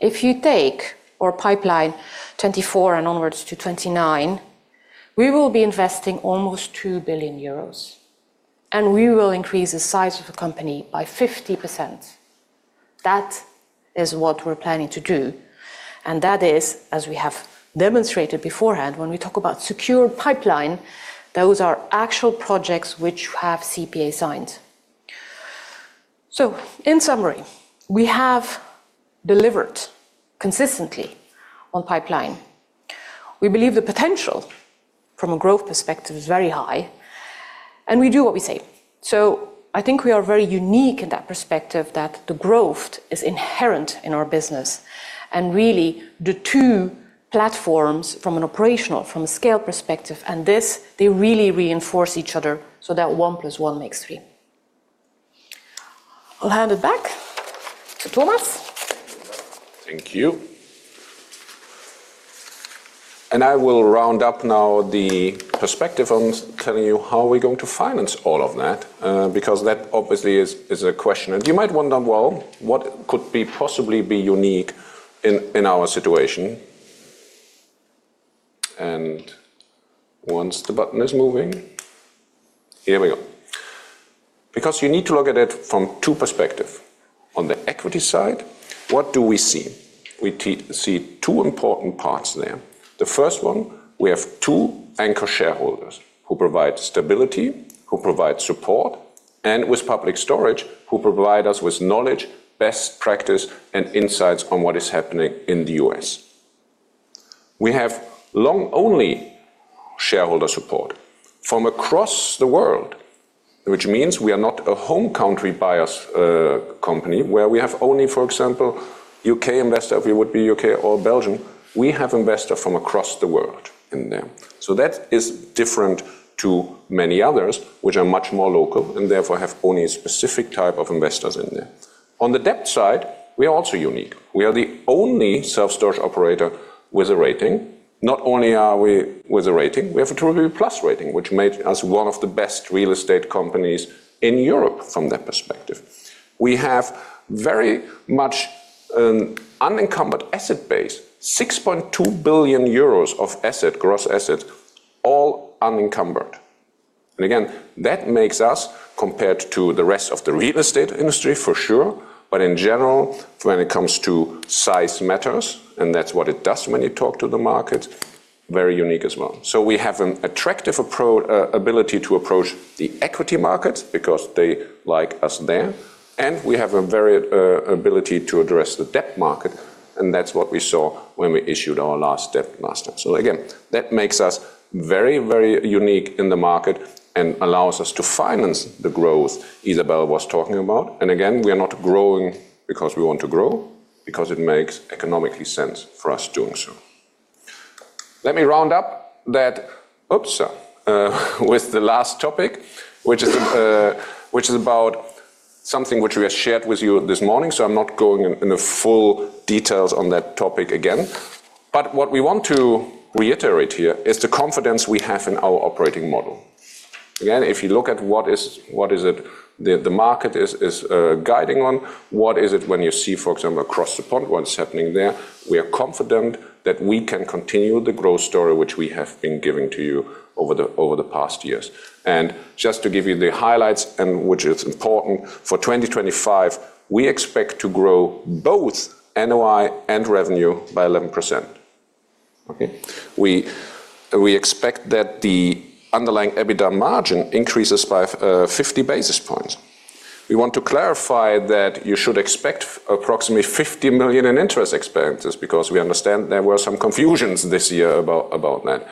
Speaker 3: if you take our pipeline 2024 and onwards to 2029, we will be investing almost 2 billion euros, and we will increase the size of the company by 50%. That is what we're planning to do. And that is, as we have demonstrated beforehand, when we talk about secure pipeline, those are actual projects which have SPA signed. So in summary, we have delivered consistently on pipeline. We believe the potential from a growth perspective is very high, and we do what we say. So I think we are very unique in that perspective that the growth is inherent in our business. And really, the two platforms from an operational, from a scale perspective, and this, they really reinforce each other so that one plus one makes three. I'll hand it back to Thomas.
Speaker 4: Thank you. And I will round up now the perspective on telling you how we're going to finance all of that because that obviously is a question. And you might wonder, well, what could possibly be unique in our situation? And once the button is moving, here we go. Because you need to look at it from two perspectives. On the equity side, what do we see? We see two important parts there. The first one, we have two anchor shareholders who provide stability, who provide support, and with Public Storage, who provide us with knowledge, best practice, and insights on what is happening in the U.S. We have long-only shareholder support from across the world, which means we are not a home country buyer's company where we have only, for example, U.K. investors. If we would be U.K. or Belgium, we have investors from across the world in there. So that is different to many others, which are much more local and therefore have only a specific type of investors in there. On the debt side, we are also unique. We are the only self-storage operator with a rating. Not only are we with a rating, we have a BBB+ rating, which makes us one of the best real estate companies in Europe from that perspective. We have very much an unencumbered asset base, 6.2 billion euros of gross assets, all unencumbered, and again, that makes us, compared to the rest of the real estate industry, for sure, but in general, when it comes to size matters, and that's what it does when you talk to the markets, very unique as well, so we have an attractive ability to approach the equity markets because they like us there, and we have a very good ability to address the debt market, and that's what we saw when we issued our last debt last time, so again, that makes us very, very unique in the market and allows us to finance the growth Isabel was talking about. Again, we are not growing because we want to grow, because it makes economic sense for us doing so. Let me wrap up that with the last topic, which is about something which we have shared with you this morning. I'm not going into full details on that topic again. But what we want to reiterate here is the confidence we have in our operating model. Again, if you look at what is it the market is guiding on, what is it when you see, for example, across the pond what's happening there, we are confident that we can continue the growth story which we have been giving to you over the past years. Just to give you the highlights, which is important, for 2025, we expect to grow both NOI and revenue by 11%. We expect that the underlying EBITDA margin increases by 50 basis points. We want to clarify that you should expect approximately 50 million in interest expenses because we understand there were some confusions this year about that.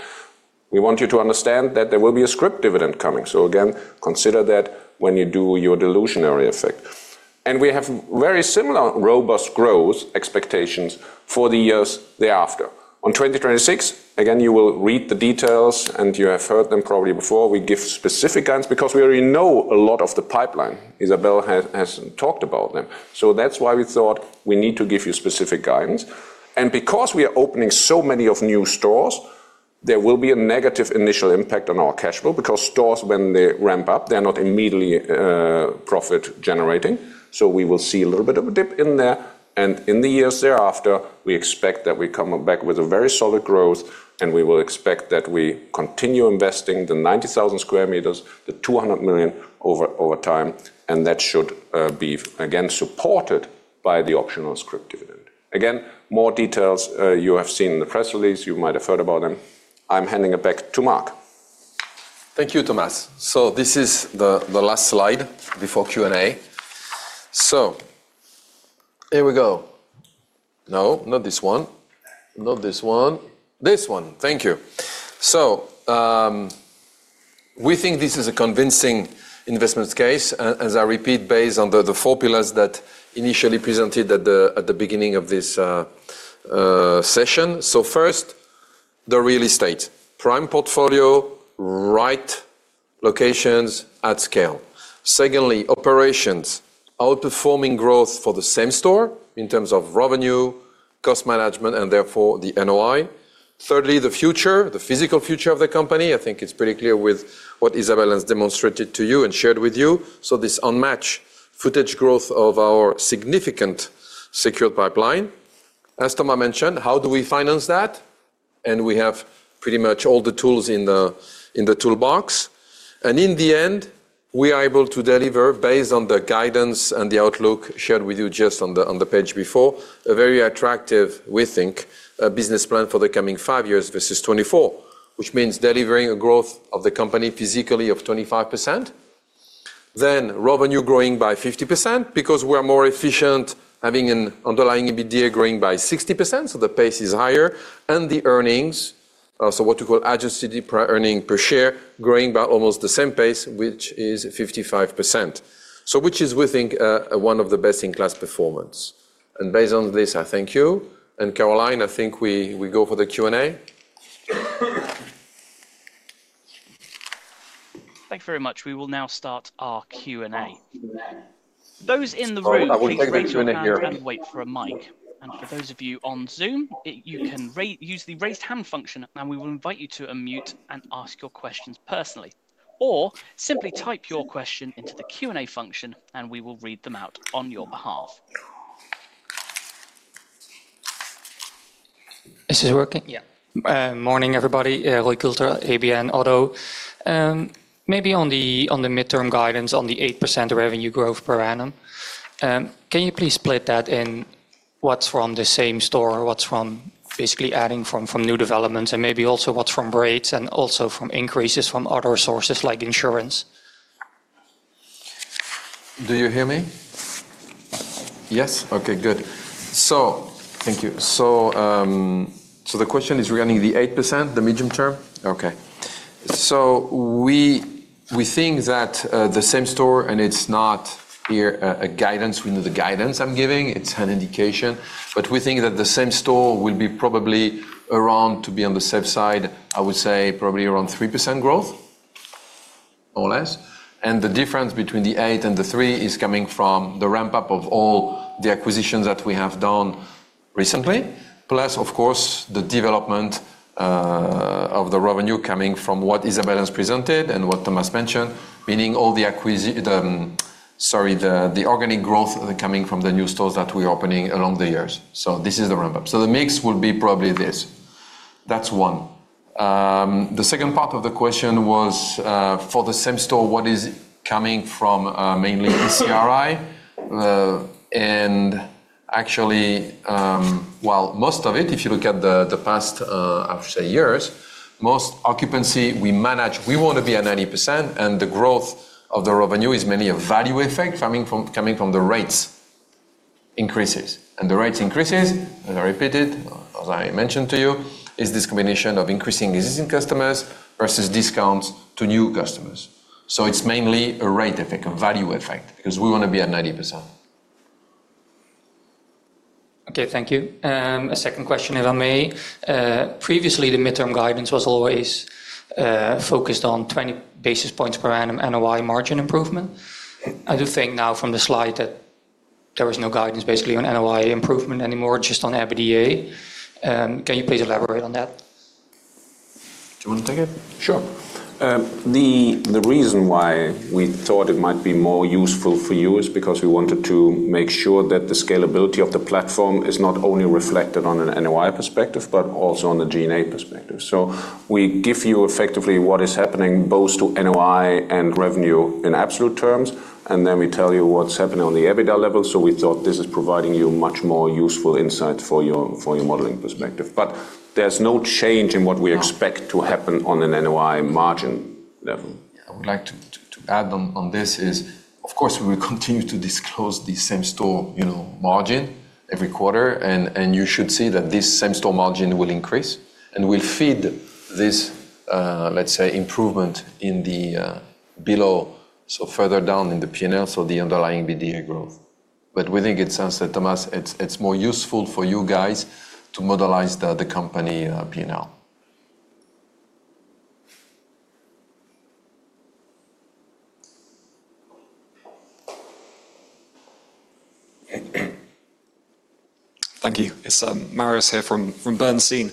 Speaker 4: We want you to understand that there will be a Scrip dividend coming. So again, consider that when you do your dilutionary effect. And we have very similar robust growth expectations for the years thereafter. On 2026, again, you will read the details, and you have heard them probably before. We give specific guidance because we already know a lot of the pipeline. Isabel has talked about them. So that's why we thought we need to give you specific guidance. And because we are opening so many new stores, there will be a negative initial impact on our cash flow because stores, when they ramp up, they're not immediately profit-generating. So we will see a little bit of a dip in there. In the years thereafter, we expect that we come back with a very solid growth, and we will expect that we continue investing the 90,000 square meters, the 200 million over time, and that should be, again, supported by the optional Scrip dividend. Again, more details you have seen in the press release. You might have heard about them. I'm handing it back to Marc.
Speaker 2: Thank you, Thomas. This is the last slide before Q&A. Here we go. No, not this one. Not this one. This one. Thank you. We think this is a convincing investment case, as I repeat, based on the formulas that initially presented at the beginning of this session. First, the Real Estate, prime portfolio, right locations at scale. Secondly, Operations, outperforming growth for the same store in terms of revenue, cost management, and therefore the NOI. Thirdly, the Future, the physical future of the company. I think it's pretty clear with what Isabel has demonstrated to you and shared with you, so this unmatched footage growth of our significant secured pipeline. As Thomas mentioned, how do we finance that? And we have pretty much all the tools in the toolbox. And in the end, we are able to deliver, based on the guidance and the outlook shared with you just on the page before, a very attractive, we think, business plan for the coming five years versus 2024, which means delivering a growth of the company physically of 25%. Then revenue growing by 50% because we are more efficient, having an underlying EBITDA growing by 60%, so the pace is higher. And the Earnings, so what we call EPRA earnings per share, growing by almost the same pace, which is 55%, which is, we think, one of the best-in-class performance. And based on this, I thank you. And Caroline, I think we go for the Q&A.
Speaker 5: Thank you very much. We will now start our Q&A. Those in the room will take a moment to wait for a mic. And for those of you on Zoom, you can use the raised hand function, and we will invite you to unmute and ask your questions personally. Or simply type your question into the Q&A function, and we will read them out on your behalf.
Speaker 6: This is working.
Speaker 2: Yeah.
Speaker 6: everybody. Roy Kulter, ABN AMRO. Maybe on the mid-term guidance, on the 8% revenue growth per annum, can you please split that in what's from the same store, what's from basically adding from new developments, and maybe also what's from rates and also from increases from other sources like insurance?
Speaker 2: Do you hear me? Yes? Okay, good. So thank you. So the question is regarding the 8%, the medium term? Okay. So we think that the same store, and it's not a guidance. We know the guidance I'm giving. It's an indication. But we think that the same store will be probably around, to be on the safe side, I would say probably around 3% growth, more or less. The difference between the eight and the three is coming from the ramp-up of all the acquisitions that we have done recently, plus, of course, the development of the revenue coming from what Isabel has presented and what Thomas mentioned, meaning all the organic growth coming from the new stores that we are opening along the years. This is the ramp-up. The mix will be probably this. That's one. The second part of the question was for the same store, what is coming from mainly ECRI. And actually, well, most of it, if you look at the past, I should say, years, most occupancy we manage, we want to be at 90%, and the growth of the revenue is mainly a value effect coming from the rates increases. The rate increases, as I repeated, as I mentioned to you, is this combination of increasing existing customers versus discounts to new customers. So it's mainly a rate effect, a value effect, because we want to be at 90%.
Speaker 6: Okay, thank you. A second question, if I may. Previously, the mid-term guidance was always focused on 20 basis points per annum NOI margin improvement. I do think now from the slide that there was no guidance basically on NOI improvement anymore, just on EBITDA. Can you please elaborate on that?
Speaker 2: Do you want to take it?
Speaker 4: Sure. The reason why we thought it might be more useful for you is because we wanted to make sure that the scalability of the platform is not only reflected on an NOI perspective, but also on the G&A perspective. So we give you effectively what is happening both to NOI and revenue in absolute terms, and then we tell you what's happening on the EBITDA level. So we thought this is providing you much more useful insights for your modeling perspective. But there's no change in what we expect to happen on an NOI margin level.
Speaker 2: I would like to add on this is, of course, we will continue to disclose the same store margin every quarter, and you should see that this same store margin will increase and will feed this, let's say, improvement below, so further down in the P&L, so the underlying EBITDA growth. But we think it sounds that, Thomas, it's more useful for you guys to model the company P&L.
Speaker 7: Thank you. It's Marios here from Bernstein.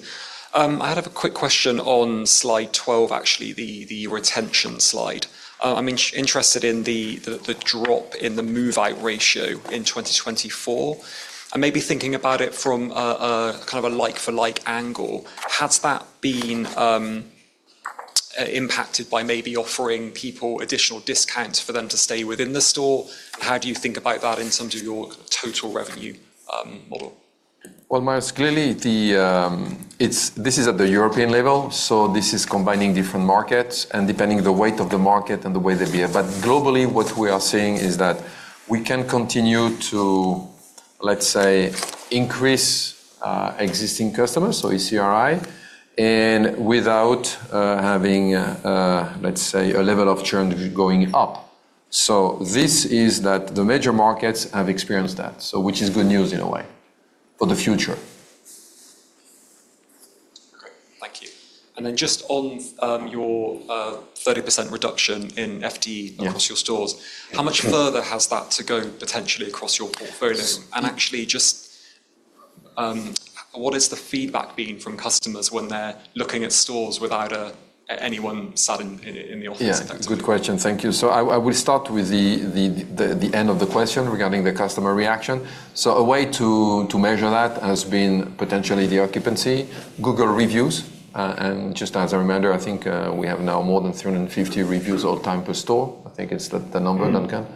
Speaker 7: I had a quick question on slide 12, actually, the retention slide. I'm interested in the drop in the move-out ratio in 2024. And maybe thinking about it from kind of a like-for-like angle, has that been impacted by maybe offering people additional discounts for them to stay within the store? How do you think about that in terms of your total revenue model?
Speaker 4: Well, Marios, clearly, this is at the European level, so this is combining different markets and depending on the weight of the market and the way they behave. But globally, what we are seeing is that we can continue to, let's say, increase existing customers, so ECRI, and without having, let's say, a level of churn going up. So this is that the major markets have experienced that, which is good news in a way for the future.
Speaker 7: Thank you. And then just on your 30% reduction in FTE across your stores, how much further has that to go potentially across your portfolio? And actually, just what has the feedback been from customers when they're looking at stores without anyone sat in the office?
Speaker 2: Yeah, good question. Thank you. So I will start with the end of the question regarding the customer reaction. So a way to measure that has been potentially the occupancy, Google reviews. And just as a reminder, I think we have now more than 350 reviews all time per store. I think it's the number that comes,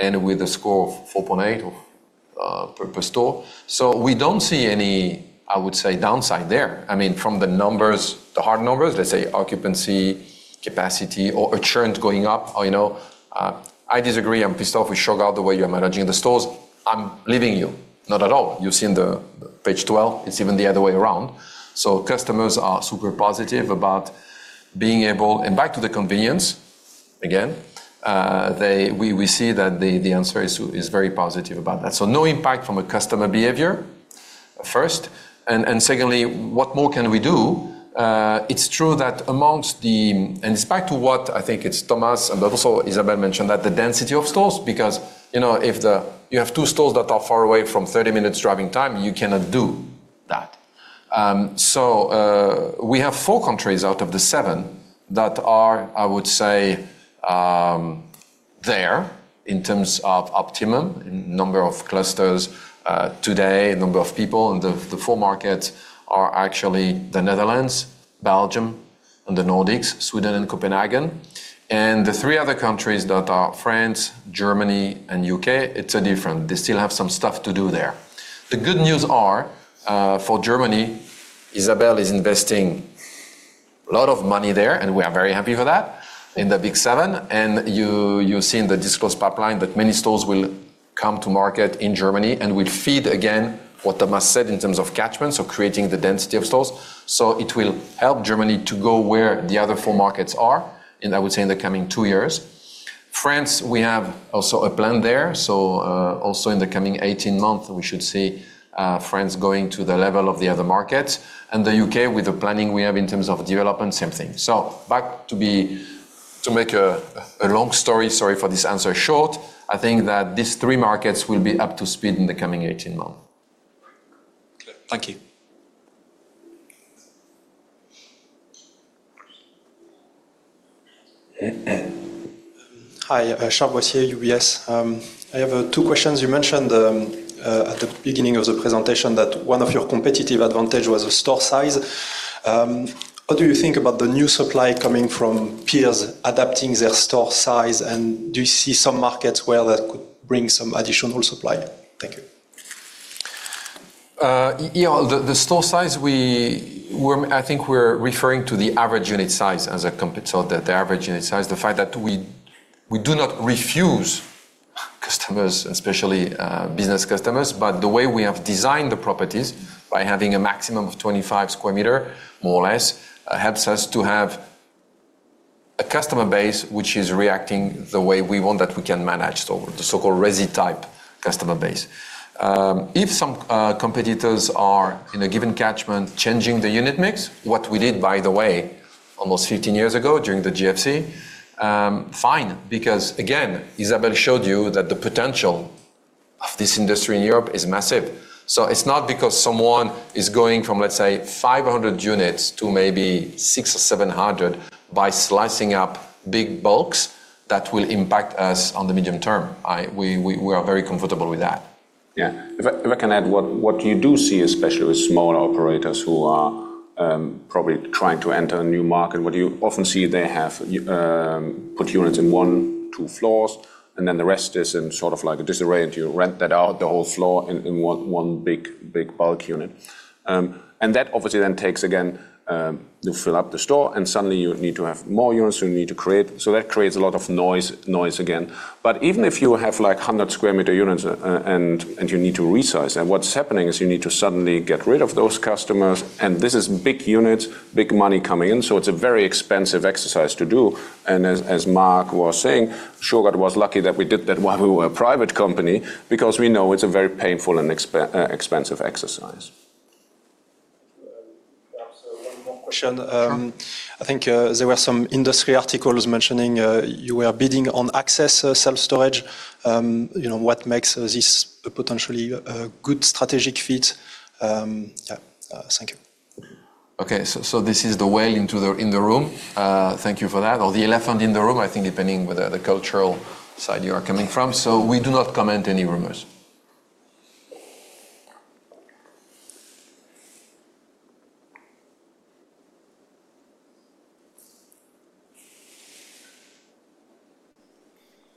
Speaker 2: and with a score of 4.8 per store. So we don't see any, I would say, downside there. I mean, from the numbers, the hard numbers, let's say occupancy, capacity, or churn going up. I disagree. I'm pissed off with Shurgard the way you're managing the stores. I'm leaving you. Not at all. You've seen page 12. It's even the other way around, so customers are super positive about being able, and back to the convenience, again, we see that the answer is very positive about that, so no impact from a customer behavior, first. Secondly, what more can we do? It's true that amongst the, and it's back to what I think it's Thomas and also Isabel mentioned, that the density of stores, because if you have two stores that are far away from 30 minutes driving time, you cannot do that. We have four countries out of the seven that are, I would say, there in terms of optimum, number of clusters today, number of people. The four markets are actually the Netherlands, Belgium, and the Nordics, Sweden and Copenhagen. And the three other countries that are France, Germany, and U.K., it's different. They still have some stuff to do there. The good news for Germany, Isabel is investing a lot of money there, and we are very happy for that in the big seven. And you've seen the disclosed pipeline that many stores will come to market in Germany and will feed again what Thomas said in terms of catchment, so creating the density of stores. So it will help Germany to go where the other four markets are, and I would say in the coming two years. France, we have also a plan there. So also in the coming 18 months, we should see France going to the level of the other markets. And the U.K., with the planning we have in terms of development, same thing. To make a long story short, sorry for this answer. I think that these three markets will be up to speed in the coming 18 months.
Speaker 7: Thank you.
Speaker 8: Hi, Charles Boissier, UBS. I have two questions. You mentioned at the beginning of the presentation that one of your competitive advantages was the store size. What do you think about the new supply coming from peers adapting their store size? And do you see some markets where that could bring some additional supply? Thank you.
Speaker 2: The store size, I think we're referring to the average unit size as a company, so the average unit size, the fact that we do not refuse customers, especially business customers, but the way we have designed the properties by having a maximum of 25 square meters, more or less, helps us to have a customer base which is reacting the way we want that we can manage, the so-called resi-type customer base. If some competitors are in a given catchment changing the unit mix, what we did, by the way, almost 15 years ago during the GFC, fine, because, again, Isabel showed you that the potential of this industry in Europe is massive. So it's not because someone is going from, let's say, 500 units to maybe 600 units or 700 units by slicing up big bulks that will impact us on the medium term. We are very comfortable with that.
Speaker 4: Yeah. If I can add what you do see, especially with smaller operators who are probably trying to enter a new market, what you often see, they have put units in one, two floors, and then the rest is in sort of like a disarray. You rent that out, the whole floor, in one big bulk unit, and that obviously then takes, again, you fill up the store, and suddenly you need to have more units, so you need to create, so that creates a lot of noise, again, but even if you have 100 square meter units and you need to resize, then what's happening is you need to suddenly get rid of those customers, and this is big units, big money coming in, so it's a very expensive exercise to do. And as Marc was saying, Shurgard was lucky that we did that while we were a private company because we know it's a very painful and expensive exercise.
Speaker 8: Perhaps one more question. I think there were some industry articles mentioning you were bidding on Access Self Storage. What makes this a potentially good strategic fit? Yeah. Thank you.
Speaker 2: Okay. So this is the whale in the room. Thank you for that. Or the elephant in the room, I think, depending on the cultural side you are coming from. So we do not comment on any rumors.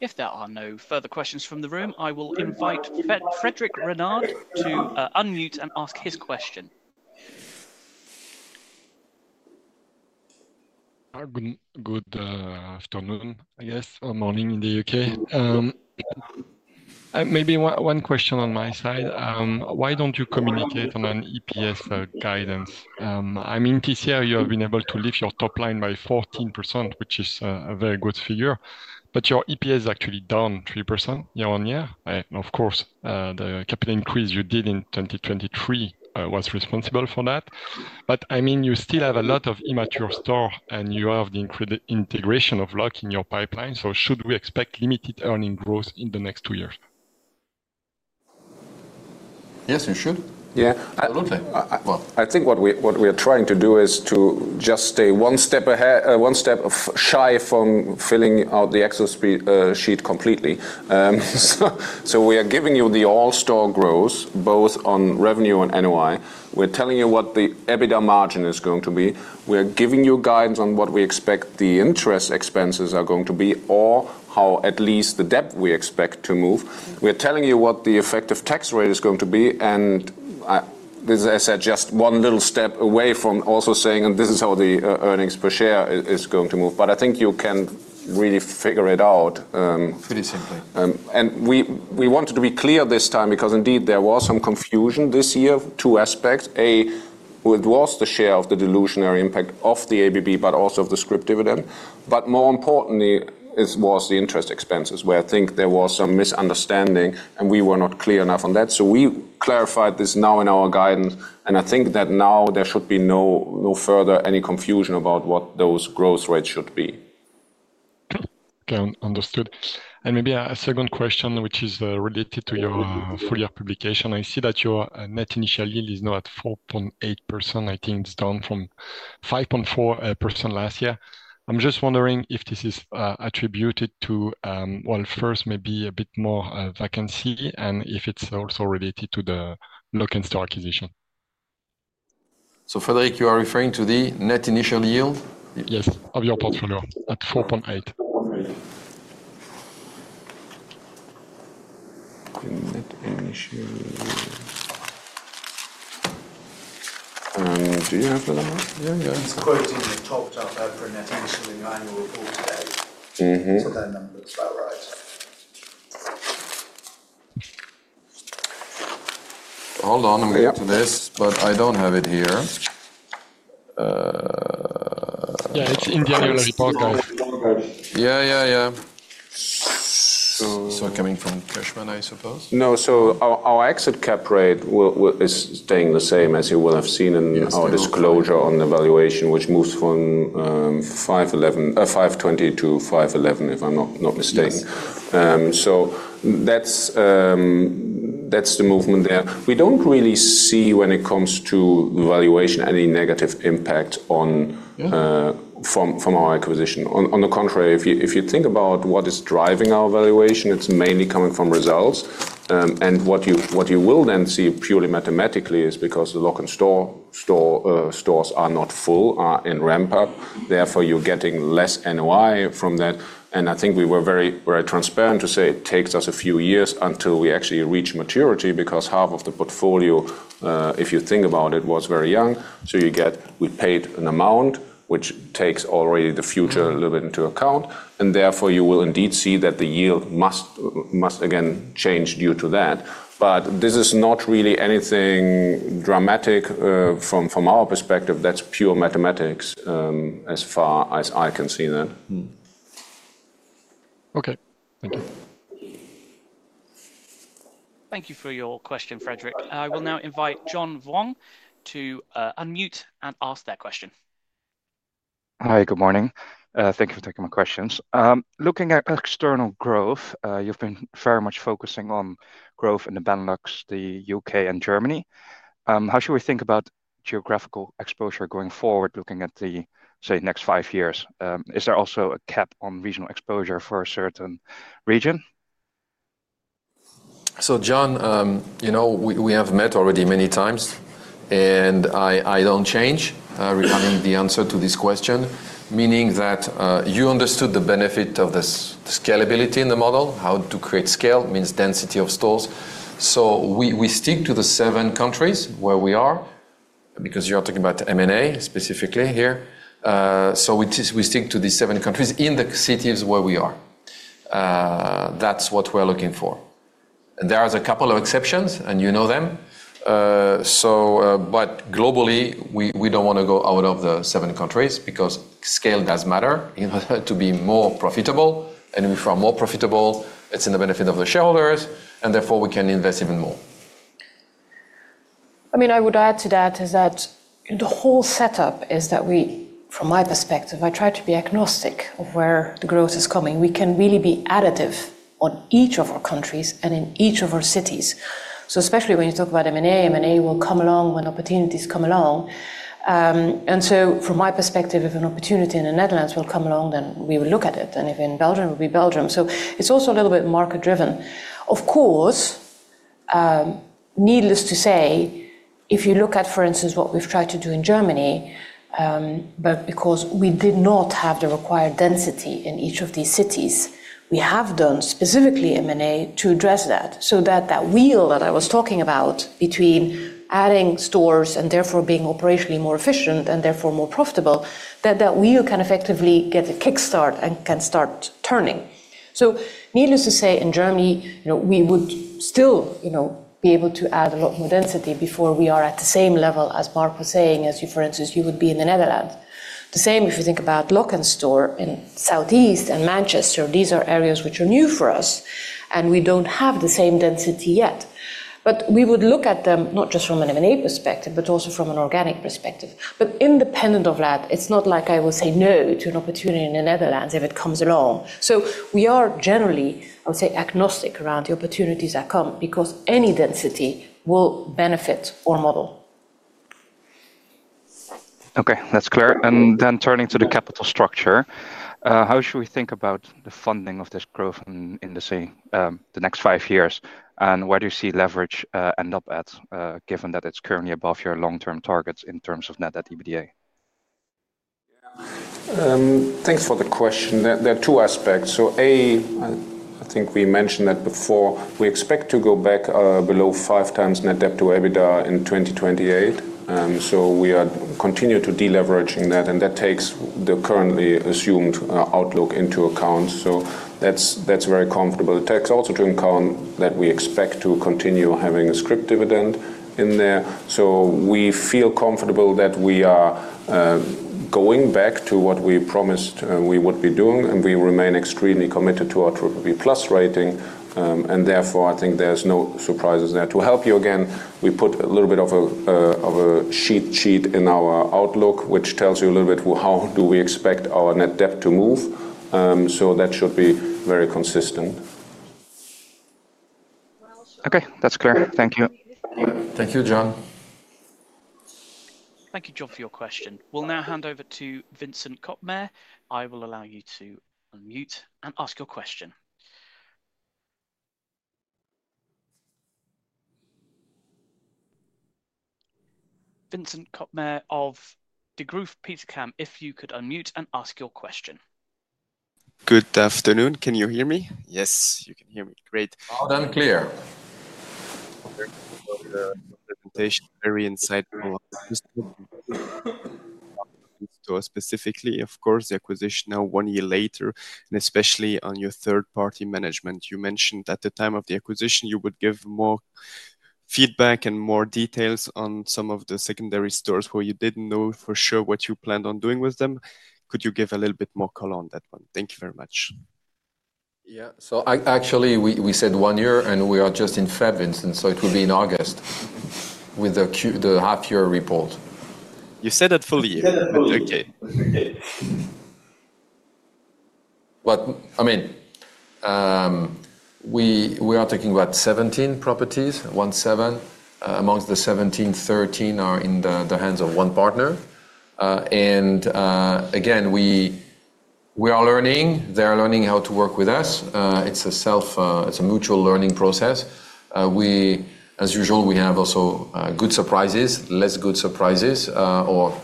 Speaker 5: If there are no further questions from the room, I will invite Frédéric Renard to unmute and ask his question.
Speaker 9: Good afternoon, I guess, or morning in the UK. Maybe one question on my side. Why don't you communicate on an EPS guidance? I mean, this year, you have been able to lift your top line by 14%, which is a very good figure. But your EPS is actually down 3% year on year. And of course, the capital increase you did in 2023 was responsible for that. But I mean, you still have a lot of immature stores, and you have the integration of Lok'nStore in your pipeline. So should we expect limited earnings growth in the next two years?
Speaker 4: Yes, you should. Yeah, absolutely. Well, I think what we are trying to do is to just stay one step shy from filling out the exit sheet completely. So we are giving you the all-store growth, both on revenue and NOI. We're telling you what the EBITDA margin is going to be. We are giving you guidance on what we expect the interest expenses are going to be, or how at least the debt we expect to move. We are telling you what the effective tax rate is going to be, and this is, as I said, just one little step away from also saying, and this is how the earnings per share is going to move. But I think you can really figure it out pretty simply. And we wanted to be clear this time because, indeed, there was some confusion this year: two aspects. A, it was the share of the dilutionary impact of the ABB, but also of the Scrip dividend. But more importantly, it was the interest expenses, where I think there was some misunderstanding, and we were not clear enough on that, so we clarified this now in our guidance. I think that now there should be no further any confusion about what those growth rates should be. Okay.
Speaker 9: Understood. Maybe a second question, which is related to your full year publication. I see that your Net Initial Yield is now at 4.8%. I think it's down from 5.4% last year. I'm just wondering if this is attributed to, well, first, maybe a bit more vacancy, and if it's also related to the Lok'nStore acquisition.
Speaker 4: So Frédéric, you are referring to the Net Initial Yield?
Speaker 9: Yes, of your portfolio at 4.8.
Speaker 4: And do you have that?
Speaker 2: Yeah, yeah. It's quoted in the top down per net initial in your annual report today. So that number is about right.
Speaker 4: Hold on. I'm going to this, but I don't have it here.
Speaker 2: Yeah, it's in the annual report.
Speaker 4: Yeah, yeah, yeah.
Speaker 2: So coming from Cushman, I suppose?
Speaker 4: No, so our exit cap rate is staying the same as you will have seen in our disclosure on the valuation, which moves from 520 to 511, if I'm not mistaken. So that's the movement there. We don't really see, when it comes to valuation, any negative impact from our acquisition. On the contrary, if you think about what is driving our valuation, it's mainly coming from results. And what you will then see purely mathematically is because the Lok'nStore stores are not full, are in ramp-up. Therefore, you're getting less NOI from that. And I think we were very transparent to say it takes us a few years until we actually reach maturity because half of the portfolio, if you think about it, was very young. So you get, we paid an amount, which takes already the future a little bit into account. Therefore, you will indeed see that the yield must, again, change due to that. But this is not really anything dramatic from our perspective. That's pure mathematics as far as I can see that.
Speaker 9: Okay. Thank you.
Speaker 5: Thank you for your question, Frédéric. I will now invite John Vuong to unmute and ask that question.
Speaker 10: Hi, good morning. Thank you for taking my questions. Looking at external growth, you've been very much focusing on growth in the Benelux, the U.K., and Germany. How should we think about geographical exposure going forward, looking at the, say, next five years? Is there also a cap on regional exposure for a certain region?
Speaker 2: So John, we have met already many times, and I don't change regarding the answer to this question, meaning that you understood the benefit of the scalability in the model, how to create scale means density of stores. So we stick to the seven countries where we are because you are talking about M&A specifically here. So we stick to the seven countries in the cities where we are. That's what we're looking for. And there are a couple of exceptions, and you know them. But globally, we don't want to go out of the seven countries because scale does matter to be more profitable. And if we are more profitable, it's in the benefit of the shareholders, and therefore, we can invest even more.
Speaker 3: I mean, I would add to that is that the whole setup is that we, from my perspective, I try to be agnostic of where the growth is coming. We can really be additive on each of our countries and in each of our cities. So especially when you talk about M&A, M&A will come along when opportunities come along. From my perspective, if an opportunity in the Netherlands will come along, then we will look at it. And if in Belgium, it will be Belgium. So it's also a little bit market-driven. Of course, needless to say, if you look at, for instance, what we've tried to do in Germany, but because we did not have the required density in each of these cities, we have done specifically M&A to address that. So that wheel that I was talking about between adding stores and therefore being operationally more efficient and therefore more profitable, that that wheel can effectively get a kickstart and can start turning. So needless to say, in Germany, we would still be able to add a lot more density before we are at the same level as Marc was saying, as you, for instance, you would be in the Netherlands. The same if you think about Lok'nStore in South East and Manchester. These are areas which are new for us, and we don't have the same density yet. But we would look at them not just from an M&A perspective, but also from an organic perspective. But independent of that, it's not like I will say no to an opportunity in the Netherlands if it comes along. So we are generally, I would say, agnostic around the opportunities that come because any density will benefit our model.
Speaker 10: Okay. That's clear. And then turning to the capital structure, how should we think about the funding of this growth in the next five years? And where do you see leverage end up at, given that it's currently above your long-term targets in terms of net debt EBITDA?
Speaker 4: Thanks for the question. There are two aspects. So a, I think we mentioned that before, we expect to go back below five times net debt to EBITDA in 2028. So we are continuing to deleverage in that, and that takes the currently assumed outlook into account. So that's very comfortable. It takes also to account that we expect to continue having a Scrip dividend in there. So we feel comfortable that we are going back to what we promised we would be doing, and we remain extremely committed to our triple B plus rating. And therefore, I think there's no surprises there. To help you again, we put a little bit of a sheet in our outlook, which tells you a little bit how do we expect our net debt to move. So that should be very consistent.
Speaker 10: Okay. That's clear. Thank you.
Speaker 2: Thank you, John.
Speaker 5: Thank you, John, for your question. We'll now hand over to Vincent Koppmair. I will allow you to unmute and ask your question. Vincent Koppmair of Degroof Petercam, if you could unmute and ask your question.
Speaker 11: Good afternoon. Can you hear me? Yes, you can hear me.
Speaker 2: Great. Loud and clear.
Speaker 11: Very insightful. Specifically, of course, the acquisition now one year later, and especially on your third-party management. You mentioned at the time of the acquisition, you would give more feedback and more details on some of the secondary stores where you didn't know for sure what you planned on doing with them. Could you give a little bit more color on that one? Thank you very much.
Speaker 2: Yeah. So actually, we said one year, and we are just in February, and so it will be in August with the half-year report.
Speaker 11: You said it fully. Okay.
Speaker 2: I mean, we are talking about 17 properties, one seven. Among the 17, 13 are in the hands of one partner. And again, we are learning. They are learning how to work with us. It's a mutual learning process. As usual, we have also good surprises, less good surprises, or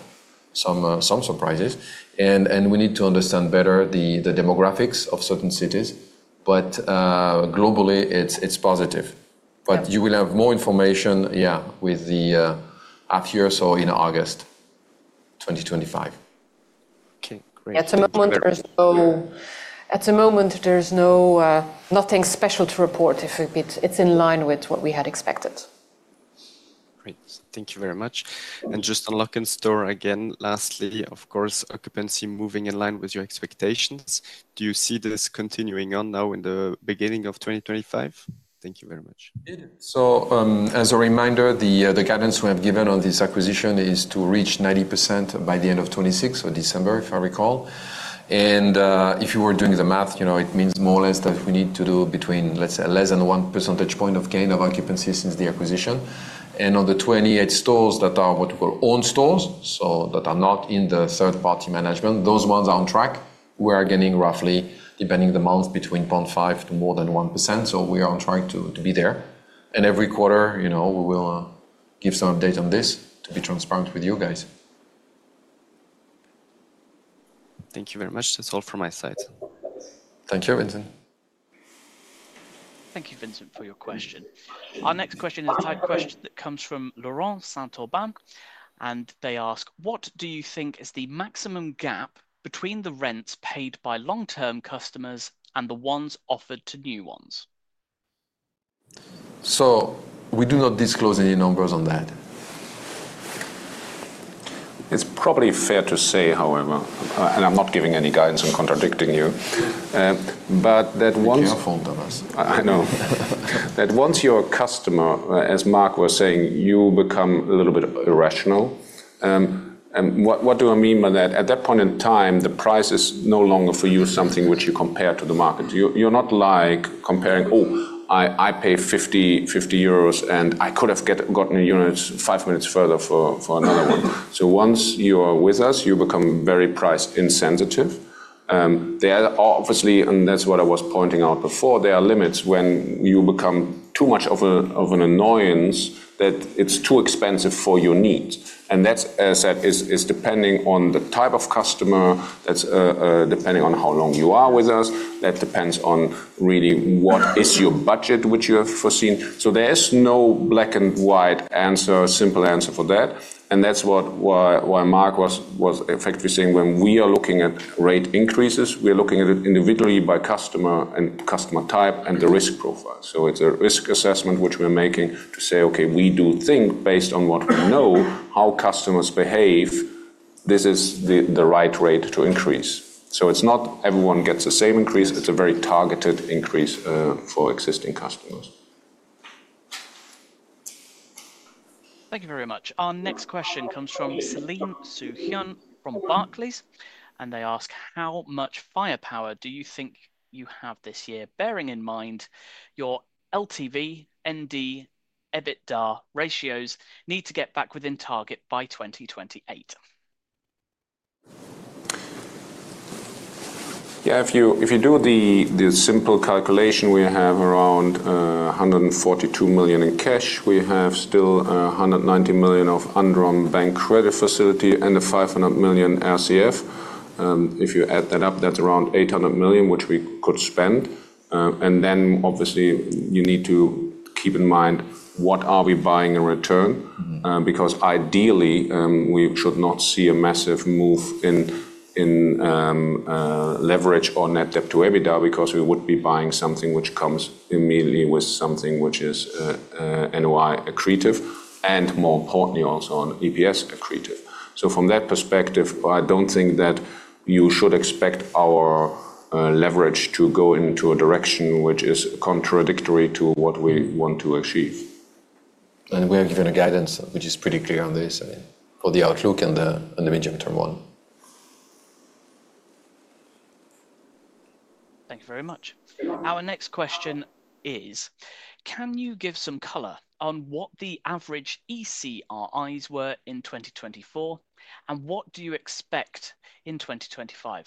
Speaker 2: some surprises. And we need to understand better the demographics of certain cities. But globally, it's positive. But you will have more information, yeah, with the half-year or in August 2025.
Speaker 11: Okay. Great.
Speaker 3: At the moment, there's no nothing special to report, if it's in line with what we had expected.
Speaker 11: Great. Thank you very much. And just on Lok'nStore again, lastly, of course, Occupancy moving in line with your expectations. Do you see this continuing on now in the beginning of 2025? Thank you very much.
Speaker 2: As a reminder, the guidance we have given on this acquisition is to reach 90% by the end of 2026 or December, if I recall. If you were doing the math, it means more or less that we need to do between, let's say, less than one percentage point of gain of occupancy since the acquisition. On the 28 stores that are what we call owned stores, so that are not in the third-party management, those ones are on track. We are getting roughly, depending on the month, between 0.5% to more than 1%. We are on track to be there. Every quarter, we will give some update on this to be transparent with you guys.
Speaker 11: Thank you very much. That's all from my side.
Speaker 2: Thank you, Vincent.
Speaker 5: Thank you, Vincent, for your question. Our next question is a question that comes from Laurent Saint-Aubin. They ask, what do you think is the maximum gap between the rents paid by long-term customers and the ones offered to new ones?
Speaker 4: So we do not disclose any numbers on that. It's probably fair to say, however, and I'm not giving any guidance and contradicting you, but that once you're a customer, as Marc was saying, you become a little bit irrational. And what do I mean by that? At that point in time, the price is no longer for you something which you compare to the market. You're not like comparing, "Oh, I pay 50 euros, and I could have gotten a unit five minutes further for another one." So once you are with us, you become very price insensitive. There are obviously, and that's what I was pointing out before, there are limits when you become too much of an annoyance that it's too expensive for your needs. And that is depending on the type of customer, that's depending on how long you are with us. That depends on really what is your budget which you have foreseen. So there is no black and white answer, simple answer for that. And that's what why Marc was effectively saying when we are looking at rate increases, we are looking at it individually by customer and customer type and the risk profile. So it's a risk assessment which we're making to say, "Okay, we do think based on what we know how customers behave, this is the right rate to increase." So it's not everyone gets the same increase. It's a very targeted increase for existing customers.
Speaker 5: Thank you very much. Our next question comes from Céline Soo-Huynh from Barclays. And they ask, how much firepower do you think you have this year, bearing in mind your LTV, ND, EBITDA ratios need to get back within target by 2028?
Speaker 4: Yeah, if you do the simple calculation, we have around 142 million in cash. We have still 190 million of undrawn bank credit facility and a 500 million RCF. If you add that up, that's around 800 million, which we could spend. And then obviously, you need to keep in mind what are we buying in return because ideally, we should not see a massive move in leverage or net debt to EBITDA because we would be buying something which comes immediately with something which is NOI accretive and more importantly also on EPS accretive. So from that perspective, I don't think that you should expect our leverage to go into a direction which is contradictory to what we want to achieve.
Speaker 2: And we have given a guidance which is pretty clear on this for the outlook and the medium-term one.
Speaker 5: Thank you very much. Our next question is, can you give some color on what the average ECRIs were in 2024 and what do you expect in 2025?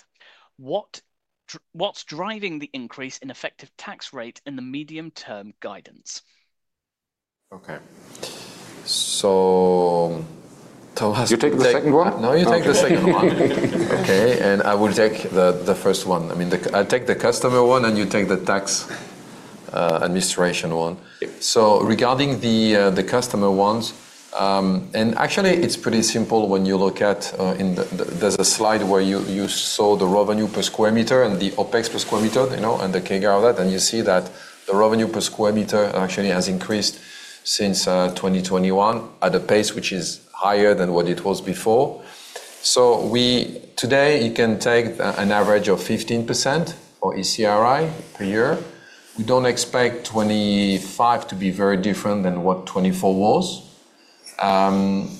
Speaker 5: What's driving the increase in effective tax rate in the medium-term guidance?
Speaker 2: Okay. So you take the second one?
Speaker 4: No, you take the second one.
Speaker 2: Okay. And I will take the first one. I mean, I'll take the customer one and you take the tax administration one. So regarding the customer ones, and actually, it's pretty simple when you look at. There's a slide where you saw the revenue per square meter and the OpEx per square meter and the CAGR of that, and you see that the revenue per square meter actually has increased since 2021 at a pace which is higher than what it was before. So today, you can take an average of 15% ECRI per year. We don't expect 2025 to be very different than what 2024 was. And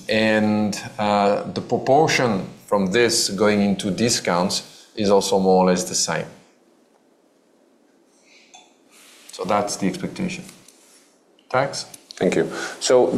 Speaker 2: the proportion from this going into discounts is also more or less the same. So that's the expectation. Thanks. Thank you.
Speaker 4: So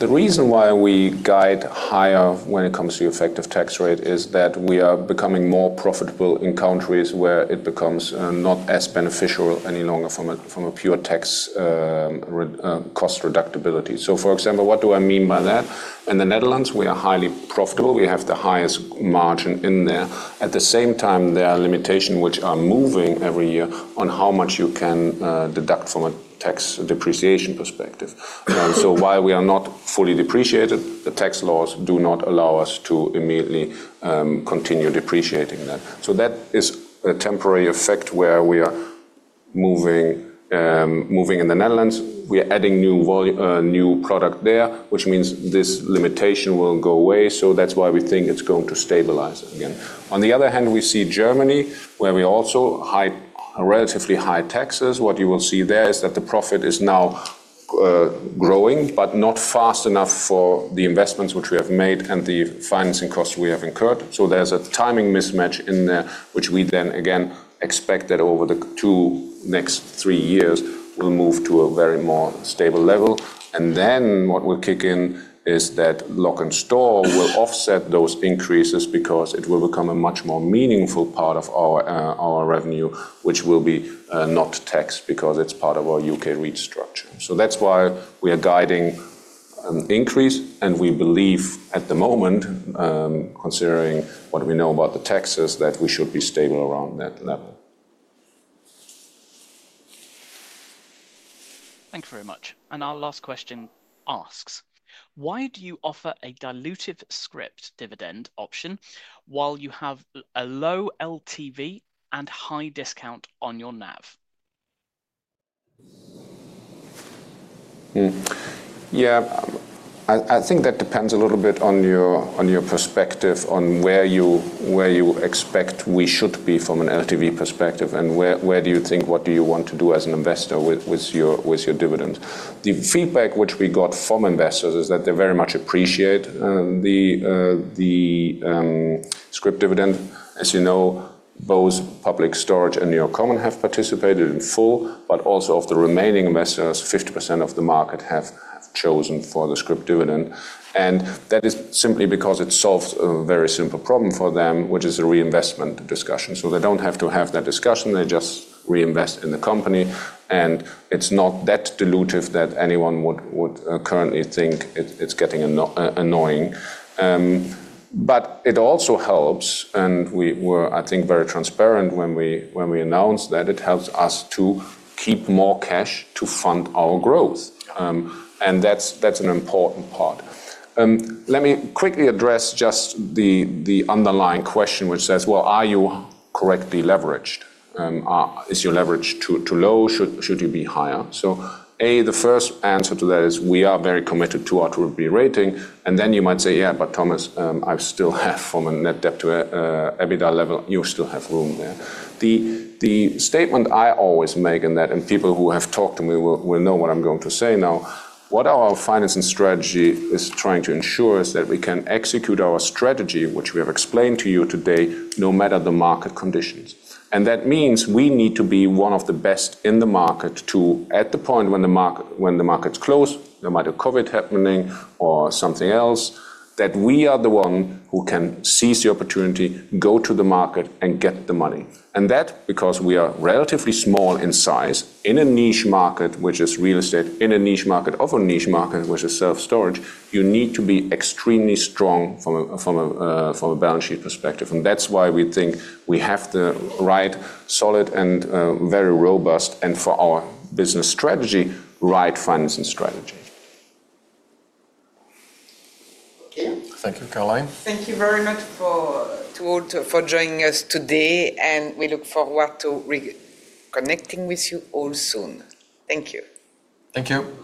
Speaker 4: the reason why we guide higher when it comes to effective tax rate is that we are becoming more profitable in countries where it becomes not as beneficial any longer from a pure tax cost deductibility. So for example, what do I mean by that? In the Netherlands, we are highly profitable. We have the highest margin in there. At the same time, there are limitations which are moving every year on how much you can deduct from a tax depreciation perspective. So while we are not fully depreciated, the tax laws do not allow us to immediately continue depreciating that. So that is a temporary effect where we are moving in the Netherlands. We are adding new product there, which means this limitation will go away. So that's why we think it's going to stabilize again. On the other hand, we see Germany where we also have relatively high taxes. What you will see there is that the profit is now growing, but not fast enough for the investments which we have made and the financing costs we have incurred. There's a timing mismatch in there, which we then again expect that over the next three years, we'll move to a much more stable level. And then what will kick in is that Lok'nStore will offset those increases because it will become a much more meaningful part of our revenue, which will be not taxed because it's part of our U.K. REIT structure. So that's why we are guiding an increase. And we believe at the moment, considering what we know about the taxes, that we should be stable around that level.
Speaker 5: Thank you very much. And our last question asks, why do you offer a dilutive Scrip dividend option while you have a low LTV and high discount on your NAV?
Speaker 2: Yeah, I think that depends a little bit on your perspective on where you expect we should be from an LTV perspective. Where do you think, what do you want to do as an investor with your dividends? The feedback which we got from investors is that they very much appreciate the Scrip dividend. As you know, both Public Storage and NY Common have participated in full, but also of the remaining investors, 50% of the market have chosen for the Scrip dividend. That is simply because it solves a very simple problem for them, which is a reinvestment discussion. They don't have to have that discussion. They just reinvest in the company. It's not that dilutive that anyone would currently think it's getting annoying. It also helps, and we were, I think, very transparent when we announced that it helps us to keep more cash to fund our growth. That's an important part. Let me quickly address just the underlying question, which says, well, are you correctly leveraged? Is your leverage too low? Should you be higher? So A, the first answer to that is we are very committed to our 2B rating. And then you might say, yeah, but Thomas, I still have from a net debt to EBITDA level, you still have room there. The statement I always make in that, and people who have talked to me will know what I'm going to say now, what our financing strategy is trying to ensure is that we can execute our strategy, which we have explained to you today, no matter the market conditions. And that means we need to be one of the best in the market to, at the point when the market's closed, no matter COVID happening or something else, that we are the one who can seize the opportunity, go to the market, and get the money. And that's because we are relatively small in size. In a niche market, which is real estate, in a niche market, of a niche market, which is self-storage, you need to be extremely strong from a balance sheet perspective. And that's why we think we have the right, solid, and very robust, and for our business strategy, right financing strategy.
Speaker 5: Thank you, Caroline.
Speaker 1: Thank you very much for joining us today. And we look forward to reconnecting with you all soon. Thank you.
Speaker 5: Thank you.